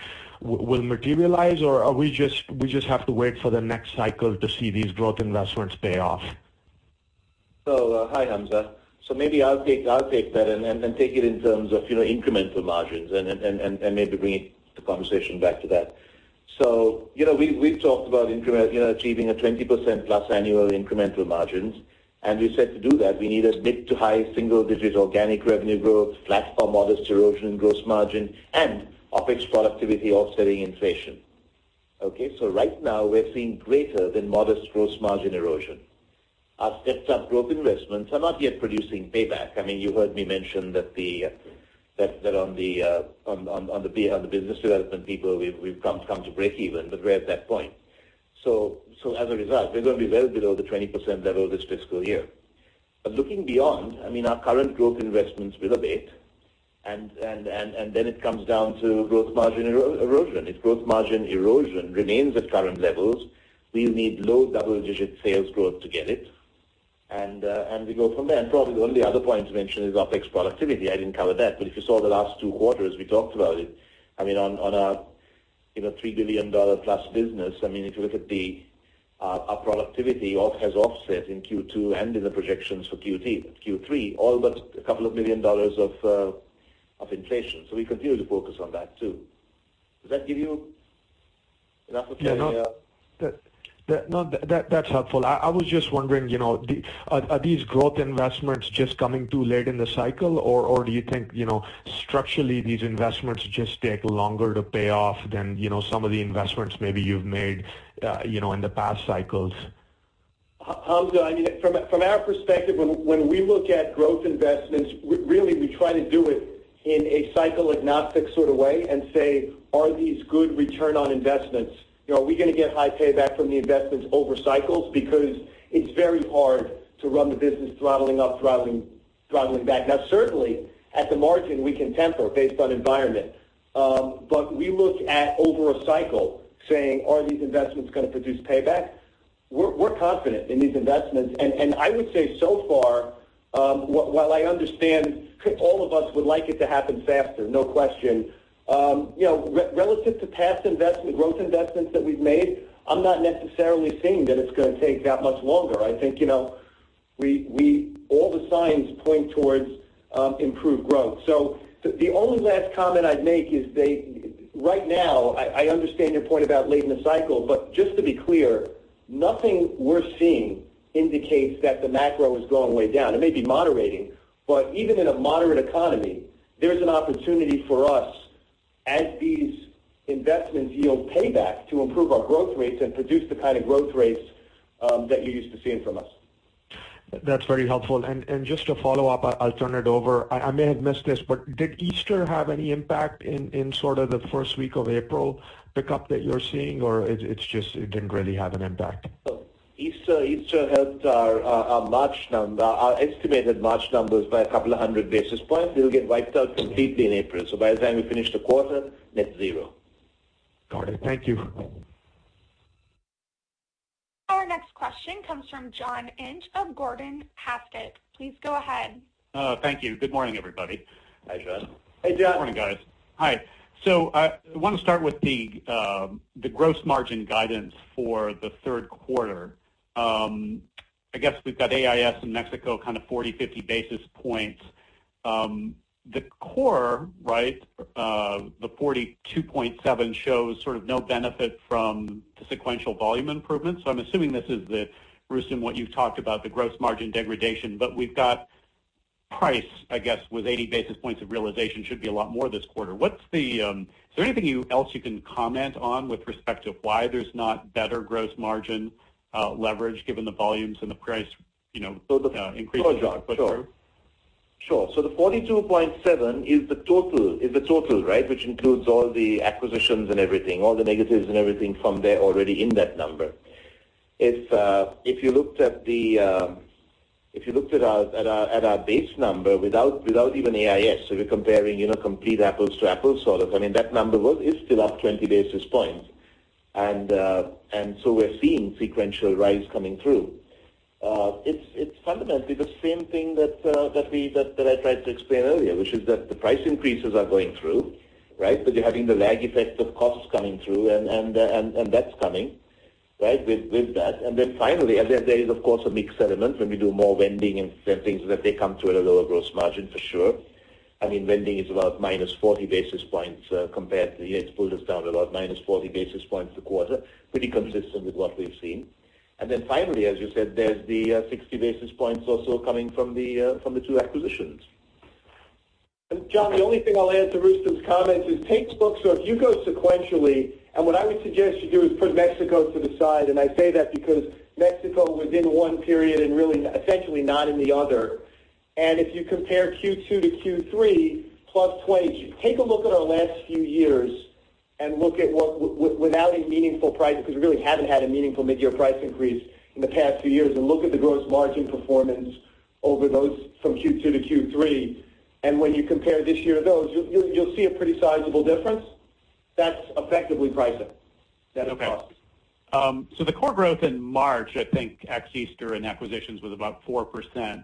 will materialize, or we just have to wait for the next cycle to see these growth investments pay off? Hi, Hamza. Maybe I'll take that and take it in terms of incremental margins and maybe bring the conversation back to that. We've talked about achieving a 20%+ annual incremental margins, and we said to do that, we need a mid to high single-digit organic revenue growth, flat or modest erosion in gross margin, and OpEx productivity offsetting inflation. Okay? Right now, we're seeing greater than modest gross margin erosion. Our stepped-up growth investments are not yet producing payback. You heard me mention that on the business development people, we've come to breakeven, but we're at that point. As a result, we're going to be well below the 20% level this fiscal year. Looking beyond, our current growth investments will abate, and then it comes down to gross margin erosion. If gross margin erosion remains at current levels, we'll need low double-digit sales growth to get it. We go from there. Probably the only other point to mention is OpEx productivity. I didn't cover that, but if you saw the last two quarters, we talked about it. On a $3 billion-plus business, if you look at our productivity has offset in Q2 and in the projections for Q3, all but a couple of million dollars of inflation. We continue to focus on that too. Does that give you enough of a- Yeah. No, that's helpful. I was just wondering, are these growth investments just coming too late in the cycle, or do you think structurally these investments just take longer to pay off than some of the investments maybe you've made in the past cycles? Hamza, from our perspective, when we look at growth investments, really, we try to do it in a cycle-agnostic sort of way and say, "Are these good return on investments? Are we going to get high payback from the investments over cycles?" Because it's very hard to run the business throttling up, throttling back. Now, certainly, at the margin, we can temper based on environment. We look at over a cycle saying, "Are these investments going to produce payback?" We're confident in these investments. I would say so far, while I understand all of us would like it to happen faster, no question. Relative to past growth investments that we've made, I'm not necessarily saying that it's going to take that much longer. I think all the signs point towards improved growth. The only last comment I'd make is right now, I understand your point about late in the cycle, but just to be clear, nothing we're seeing indicates that the macro is going way down. It may be moderating, but even in a moderate economy, there's an opportunity for us as these investments yield payback to improve our growth rates and produce the kind of growth rates that you're used to seeing from us. That's very helpful. Just to follow up, I'll turn it over. I may have missed this, but did Easter have any impact in sort of the first week of April pickup that you're seeing, or it didn't really have an impact? Easter helped our estimated March numbers by a couple of hundred basis points. It'll get wiped out completely in April. By the time we finish the quarter, net zero. Got it. Thank you. Our next question comes from John Inch of Gordon Haskett. Please go ahead. Thank you. Good morning, everybody. Hi, John. Hey, John. Morning, guys. Hi. I want to start with the gross margin guidance for the third quarter. I guess we've got AIS and Mexico kind of 40, 50 basis points. The core, the 42.7 shows sort of no benefit from the sequential volume improvement. I'm assuming this is the, Rustom, what you've talked about, the gross margin degradation, we've got price, I guess, with 80 basis points of realization should be a lot more this quarter. Is there anything else you can comment on with respect to why there's not better gross margin leverage given the volumes and the price increases that put through? Sure. The 42.7 is the total which includes all the acquisitions and everything, all the negatives and everything from there already in that number. If you looked at our base number without even AIS, we're comparing complete apples to apples sort of, I mean, that number is still up 20 basis points. We're seeing sequential rise coming through. It's fundamentally the same thing that I tried to explain earlier, which is that the price increases are going through. You're having the lag effect of costs coming through, and that's coming with that. Finally, there is, of course, a mix element when we do more vending and things that they come to at a lower gross margin, for sure. Vending is about minus 40 basis points compared to the. It's pulled us down about minus 40 basis points a quarter, pretty consistent with what we've seen. Finally, as you said, there's the 60 basis points also coming from the two acquisitions. John, the only thing I'll add to Rustom's comments is take books. If you go sequentially, what I would suggest you do is put Mexico to the side. I say that because Mexico was in one period and really, essentially not in the other. If you compare Q2 to Q3 plus 20, take a look at our last few years and look at without a meaningful price, because we really haven't had a meaningful mid-year price increase in the past few years, and look at the gross margin performance over those from Q2 to Q3. When you compare this year to those, you'll see a pretty sizable difference. That's effectively pricing. That is costs. Okay. The core growth in March, I think ex-Easter and acquisitions was about 4%.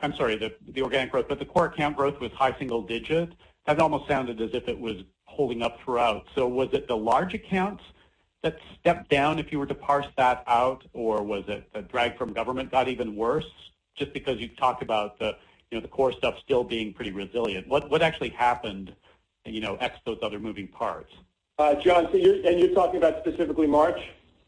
I'm sorry, the organic growth, the core count growth was high single digit. That almost sounded as if it was holding up throughout. Was it the large accounts that stepped down, if you were to parse that out, or was it the drag from government got even worse? Just because you talked about the core stuff still being pretty resilient. What actually happened, ex those other moving parts? John, you're talking about specifically March?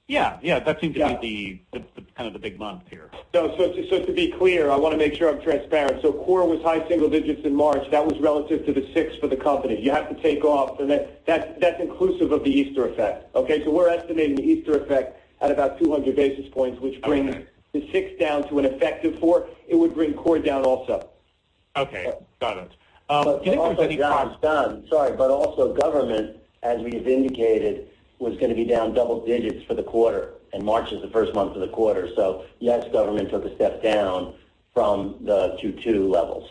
Yeah. Yeah the big month here. To be clear, I want to make sure I'm transparent. Core was high single digits in March. That was relative to the six for the company. You have to take off, and that's inclusive of the Easter effect. Okay. We're estimating the Easter effect at about 200 basis points, which brings Okay the six down to an effective four. It would bring core down also. Okay. Got it. Do you think there's any kind of Sorry, also government, as we have indicated, was going to be down double digits for the quarter, and March is the first month of the quarter. Yes, government took a step down from the Q2 levels.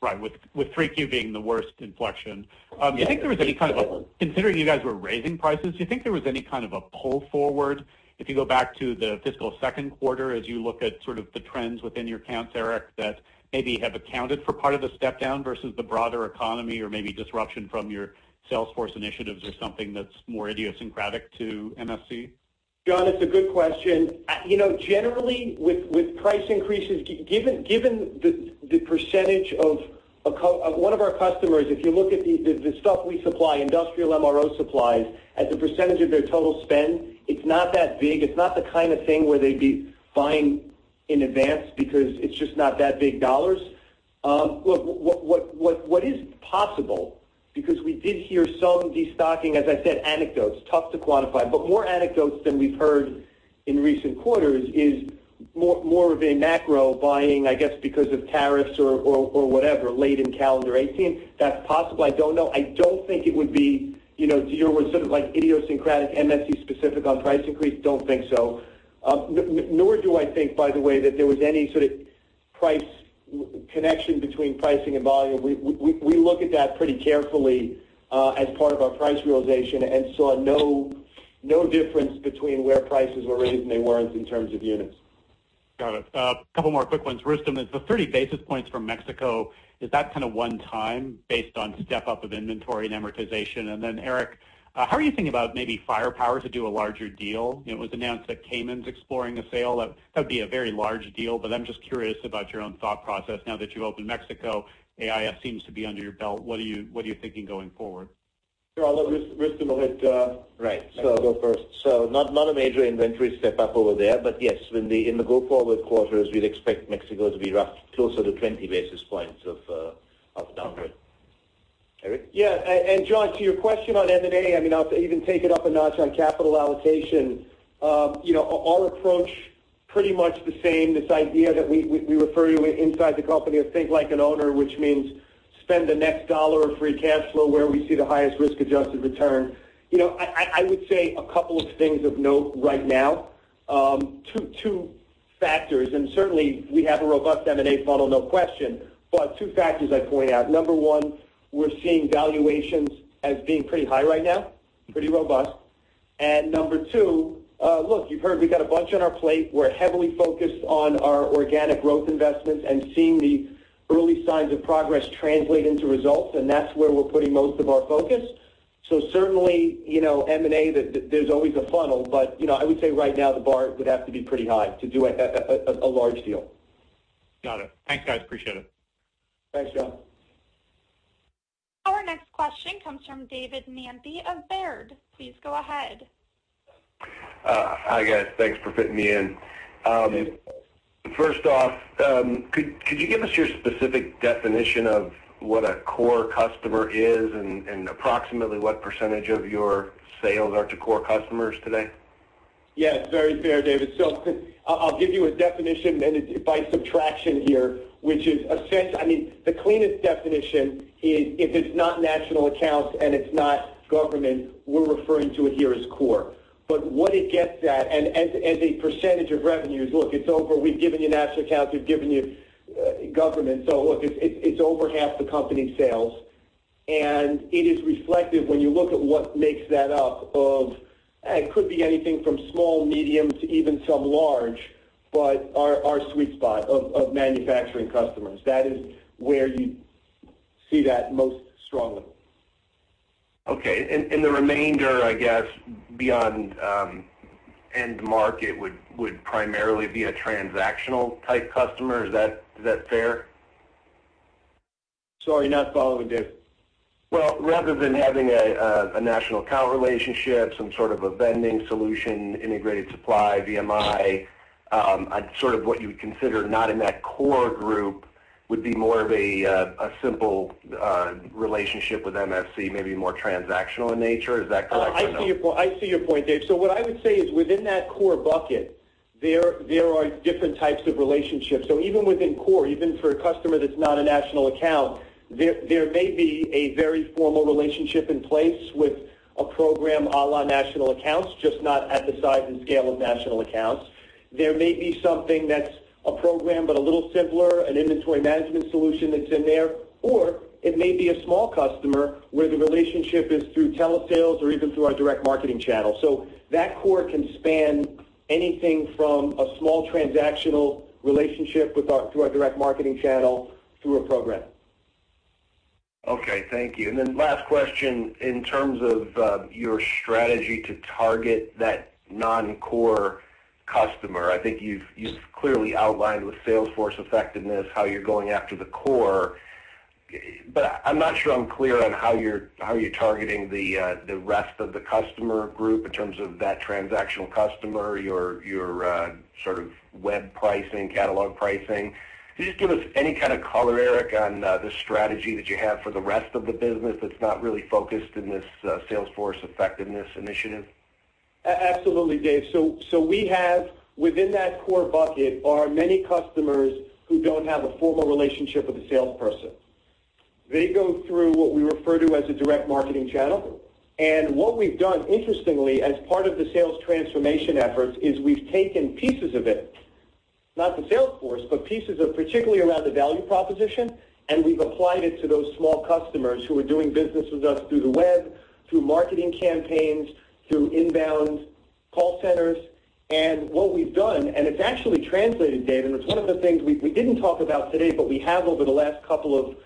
Right. With 3Q being the worst inflection. Yeah, 3Q. Considering you guys were raising prices, do you think there was any kind of a pull forward? If you go back to the fiscal second quarter, as you look at sort of the trends within your accounts, Erik, that maybe have accounted for part of the step down versus the broader economy or maybe disruption from your sales force initiatives or something that's more idiosyncratic to MSC? John, it's a good question. Generally, with price increases, given the percentage of one of our customers, if you look at the stuff we supply, industrial MRO supplies, as a percentage of their total spend, it's not that big. It's not the kind of thing where they'd be buying in advance because it's just not that big dollars. Look, what is possible, because we did hear some destocking, as I said, anecdotes, tough to quantify, but more anecdotes than we've heard in recent quarters is more of a macro buying, I guess because of tariffs or whatever, late in calendar 2018. That's possible. I don't know. I don't think it would be, to your word, sort of like idiosyncratic MSC-specific on price increase, don't think so. Nor do I think, by the way, that there was any sort of price connection between pricing and volume. We look at that pretty carefully as part of our price realization and saw no difference between where prices were raised and they weren't in terms of units. Got it. A couple more quick ones. Rustom, the 30 basis points from Mexico, is that kind of one-time based on step up of inventory and amortization? Erik, how are you thinking about maybe firepower to do a larger deal? It was announced that Kennametal's exploring a sale. That'd be a very large deal, but I'm just curious about your own thought process now that you opened Mexico, AIS seems to be under your belt. What are you thinking going forward? Sure. I'll let Rustom hit. Right. Mexico first. Not a major inventory step up over there, but yes, in the go-forward quarters, we'd expect Mexico to be roughly closer to 20 basis points of downward. Erik? Yeah. John, to your question on M&A, I'll even take it up a notch on capital allocation. Our approach pretty much the same, this idea that we refer to inside the company of think like an owner, which means spend the next dollar of free cash flow where we see the highest risk-adjusted return. I would say a couple of things of note right now. Two factors, certainly we have a robust M&A funnel, no question, but two factors I'd point out. Number one, we're seeing valuations as being pretty high right now, pretty robust. Number two, look, you've got a bunch on our plate. We're heavily focused on our organic growth investments and seeing the early signs of progress translate into results, and that's where we're putting most of our focus. Certainly, M&A, there's always a funnel, I would say right now the bar would have to be pretty high to do a large deal. Got it. Thanks, guys. Appreciate it. Thanks, John. Our next question comes from David Manthey of Baird. Please go ahead. Hi, guys. Thanks for fitting me in. David. First off, could you give us your specific definition of what a core customer is and approximately what percentage of your sales are to core customers today? Yeah. It's very fair, David. I'll give you a definition and it's by subtraction here, which is, I mean, the cleanest definition is if it's not national accounts and it's not government, we're referring to it here as core. What it gets at, and as a percentage of revenues, look, we've given you national accounts, we've given you government, look, it's over half the company's sales, and it is reflective when you look at what makes that up of, it could be anything from small, medium to even some large, but our sweet spot of manufacturing customers. That is where you see that most strongly. Okay. The remainder, I guess, beyond end market would primarily be a transactional type customer. Is that fair? Sorry, not following, Dave. Rather than having a national account relationship, some sort of a vending solution, integrated supply, VMI, sort of what you would consider not in that core group would be more of a simple relationship with MSC, maybe more transactional in nature. Is that correct or no? I see your point, Dave. What I would say is within that core bucket, there are different types of relationships. Even within core, even for a customer that's not a national account, there may be a very formal relationship in place with a program a la national accounts, just not at the size and scale of national accounts. There may be something that's a program, but a little simpler, an inventory management solution that's in there. It may be a small customer where the relationship is through telesales or even through our direct marketing channel. That core can span anything from a small transactional relationship through our direct marketing channel through a program. Okay. Thank you. Last question, in terms of your strategy to target that non-core customer, I think you've clearly outlined with Salesforce Effectiveness how you're going after the core, but I'm not sure I'm clear on how you're targeting the rest of the customer group in terms of that transactional customer, your sort of web pricing, catalog pricing. Could you just give us any kind of color, Erik, on the strategy that you have for the rest of the business that's not really focused in this Salesforce Effectiveness initiative? Absolutely, Dave. Within that core bucket are many customers who don't have a formal relationship with a salesperson. They go through what we refer to as a direct marketing channel. What we've done, interestingly, as part of the sales transformation efforts, is we've taken pieces of it, not the Salesforce, but pieces of particularly around the value proposition, and we've applied it to those small customers who are doing business with us through the web, through marketing campaigns, through inbound call centers. What we've done, and it's actually translated, Dave, and it's one of the things we didn't talk about today, but we have over the last couple of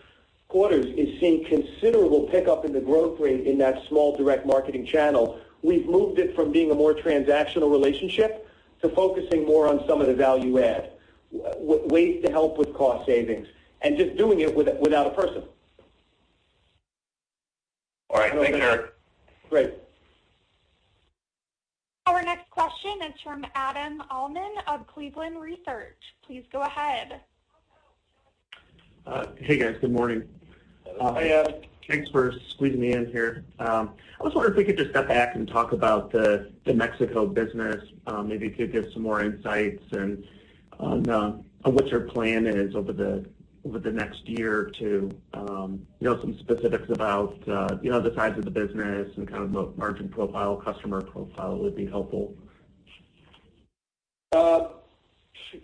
quarters, is seeing considerable pickup in the growth rate in that small direct marketing channel. We've moved it from being a more transactional relationship to focusing more on some of the value add, ways to help with cost savings, and just doing it without a person. All right. Thanks, Erik. Great. Our next question is from Adam Uhlman of Cleveland Research. Please go ahead. Hey, guys. Good morning. Hi, Adam. Thanks for squeezing me in here. I was wondering if we could just step back and talk about the Mexico business, maybe to give some more insights on what your plan is over the next year or two. Some specifics about the size of the business and kind of the margin profile, customer profile would be helpful.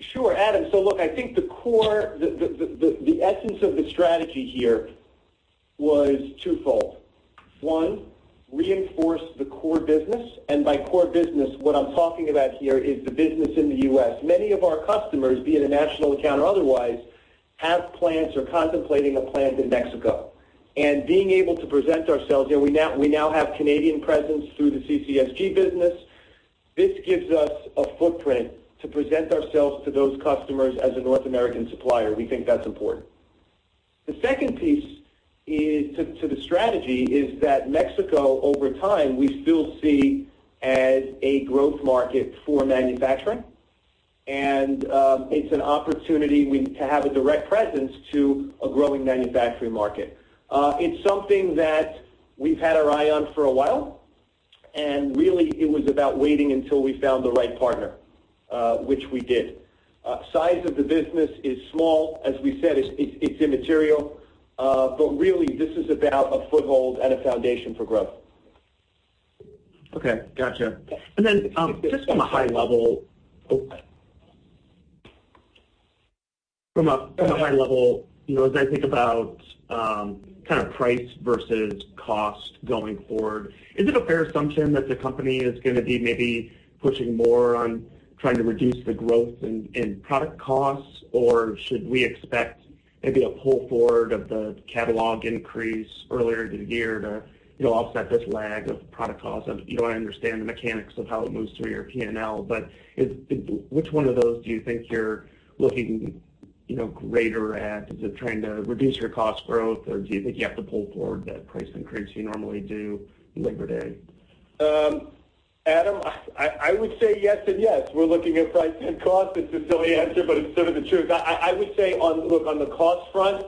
Sure, Adam. Look, I think the essence of the strategy here was twofold. One, reinforce the core business, and by core business, what I'm talking about here is the business in the U.S. Many of our customers, be it a national account or otherwise, have plans or contemplating a plan to Mexico. Being able to present ourselves, we now have Canadian presence through the CCSG business. This gives us a footprint to present ourselves to those customers as a North American supplier. We think that's important. The second piece to the strategy is that Mexico, over time, we still see as a growth market for manufacturing, it's an opportunity to have a direct presence to a growing manufacturing market. It's something that we've had our eye on for a while, really, it was about waiting until we found the right partner, which we did. Size of the business is small, as we said, it's immaterial, really, this is about a foothold and a foundation for growth. Okay. Got you. Just from a high level, as I think about kind of price versus cost going forward, is it a fair assumption that the company is going to be maybe pushing more on trying to reduce the growth in product costs, or should we expect maybe a pull forward of the catalog increase earlier in the year to offset this lag of product cost? I understand the mechanics of how it moves through your P&L, but which one of those do you think you're looking greater at? Is it trying to reduce your cost growth, or do you think you have to pull forward that price increase you normally do later day? Adam, I would say yes and yes. We're looking at price and cost. It's a silly answer, but it's sort of the truth. I would say, look, on the cost front,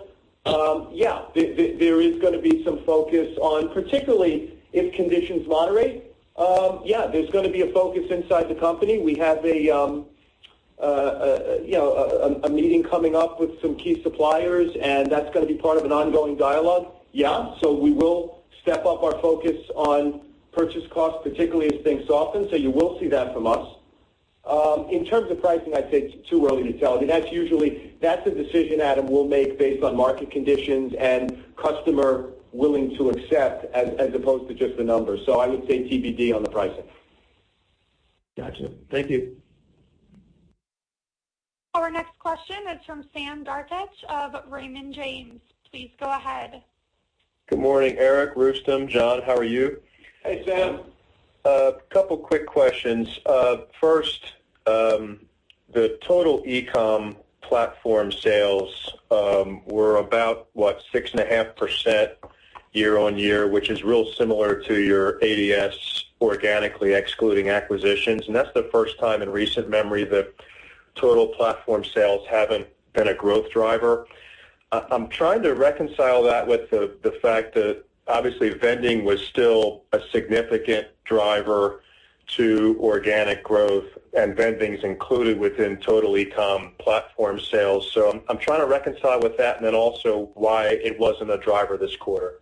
yeah, there is going to be some focus on, particularly if conditions moderate. Yeah, there's going to be a focus inside the company. We have a meeting coming up with some key suppliers, that's going to be part of an ongoing dialogue. Yeah, we will step up our focus on purchase costs, particularly as things soften. You will see that from us. In terms of pricing, I'd say it's too early to tell. That's a decision, Adam, we'll make based on market conditions and customer willing to accept, as opposed to just the numbers. I would say TBD on the pricing. Got you. Thank you. Our next question is from Sam Darkatsh of Raymond James. Please go ahead. Good morning, Erik, Rustom, John. How are you? Hey, Sam. A couple quick questions. First, the total e-com platform sales were about, what, 6.5% year-on-year, which is real similar to your ADS organically excluding acquisitions. That's the first time in recent memory that total platform sales haven't been a growth driver. I'm trying to reconcile that with the fact that obviously vending was still a significant driver to organic growth, and vending is included within total e-com platform sales. I'm trying to reconcile with that, and then also why it wasn't a driver this quarter.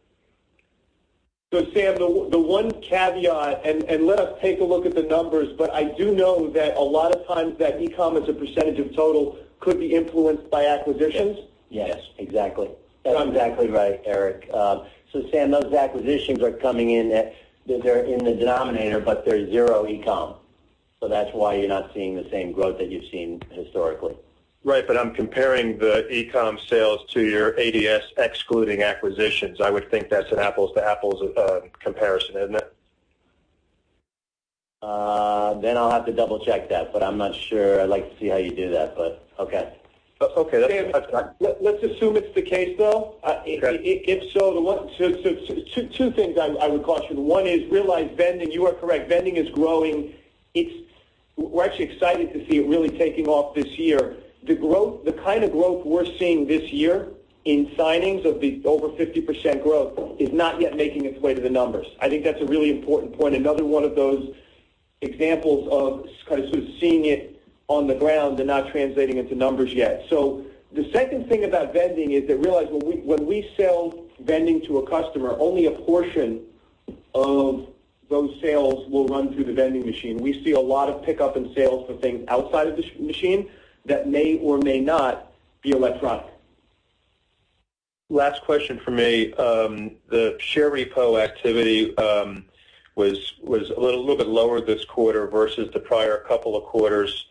Sam, the one caveat, and let us take a look at the numbers, but I do know that a lot of times that e-com as a percentage of total could be influenced by acquisitions. Yes, exactly. That's exactly right, Erik. Sam, those acquisitions are coming in, they're in the denominator, but they're zero e-com. That's why you're not seeing the same growth that you've seen historically. Right, I'm comparing the e-com sales to your ADS excluding acquisitions. I would think that's an apples to apples comparison, isn't it? I'll have to double-check that, I'm not sure. I'd like to see how you do that, okay. Okay. Sam, let's assume it's the case, though. Okay. If so, two things I would caution. One is realize vending, you are correct, vending is growing. We're actually excited to see it really taking off this year. The kind of growth we're seeing this year in signings of the over 50% growth is not yet making its way to the numbers. I think that's a really important point. Another one of those examples of kind of seeing it on the ground and not translating into numbers yet. The second thing about vending is that realize when we sell vending to a customer, only a portion of those sales will run through the vending machine. We see a lot of pickup in sales for things outside of the machine that may or may not be electronic. Last question from me. The share repo activity was a little bit lower this quarter versus the prior couple of quarters.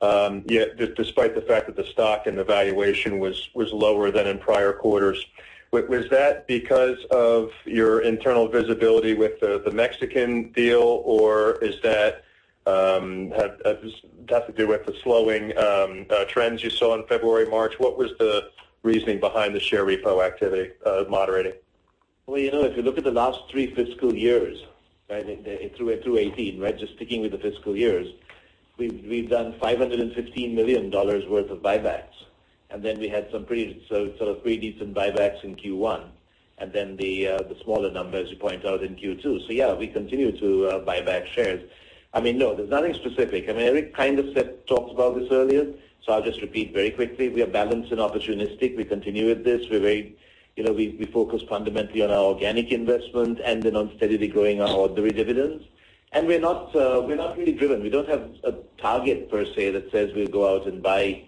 Despite the fact that the stock and the valuation was lower than in prior quarters. Was that because of your internal visibility with the Mexican deal, or does that have to do with the slowing trends you saw in February, March? What was the reasoning behind the share repo activity moderating? Well, if you look at the last three fiscal years, through 2018, just sticking with the fiscal years, we've done $515 million worth of buybacks. We had some pretty decent buybacks in Q1, the smaller numbers, you pointed out, in Q2. Yeah, we continue to buy back shares. There's nothing specific. Erik kind of talked about this earlier, I'll just repeat very quickly. We are balanced and opportunistic. We continue with this. We focus fundamentally on our organic investment and then on steadily growing our quarterly dividends. We're not really driven. We don't have a target per se that says we'll go out and buy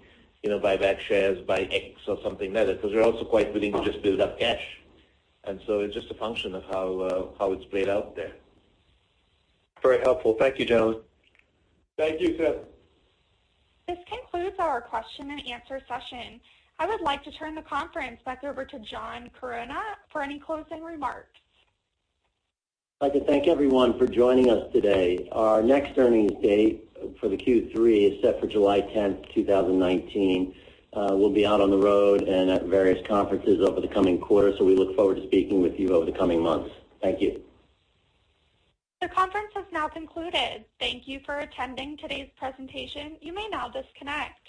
back shares, buy X or something like that, because we're also quite willing to just build up cash. It's just a function of how it's played out there. Very helpful. Thank you, gentlemen. Thank you, Sam. This concludes our question and answer session. I would like to turn the conference back over to John Chironna for any closing remarks. I'd like to thank everyone for joining us today. Our next earnings date for the Q3 is set for July 10th, 2019. We'll be out on the road and at various conferences over the coming quarter, so we look forward to speaking with you over the coming months. Thank you. The conference has now concluded. Thank you for attending today's presentation. You may now disconnect.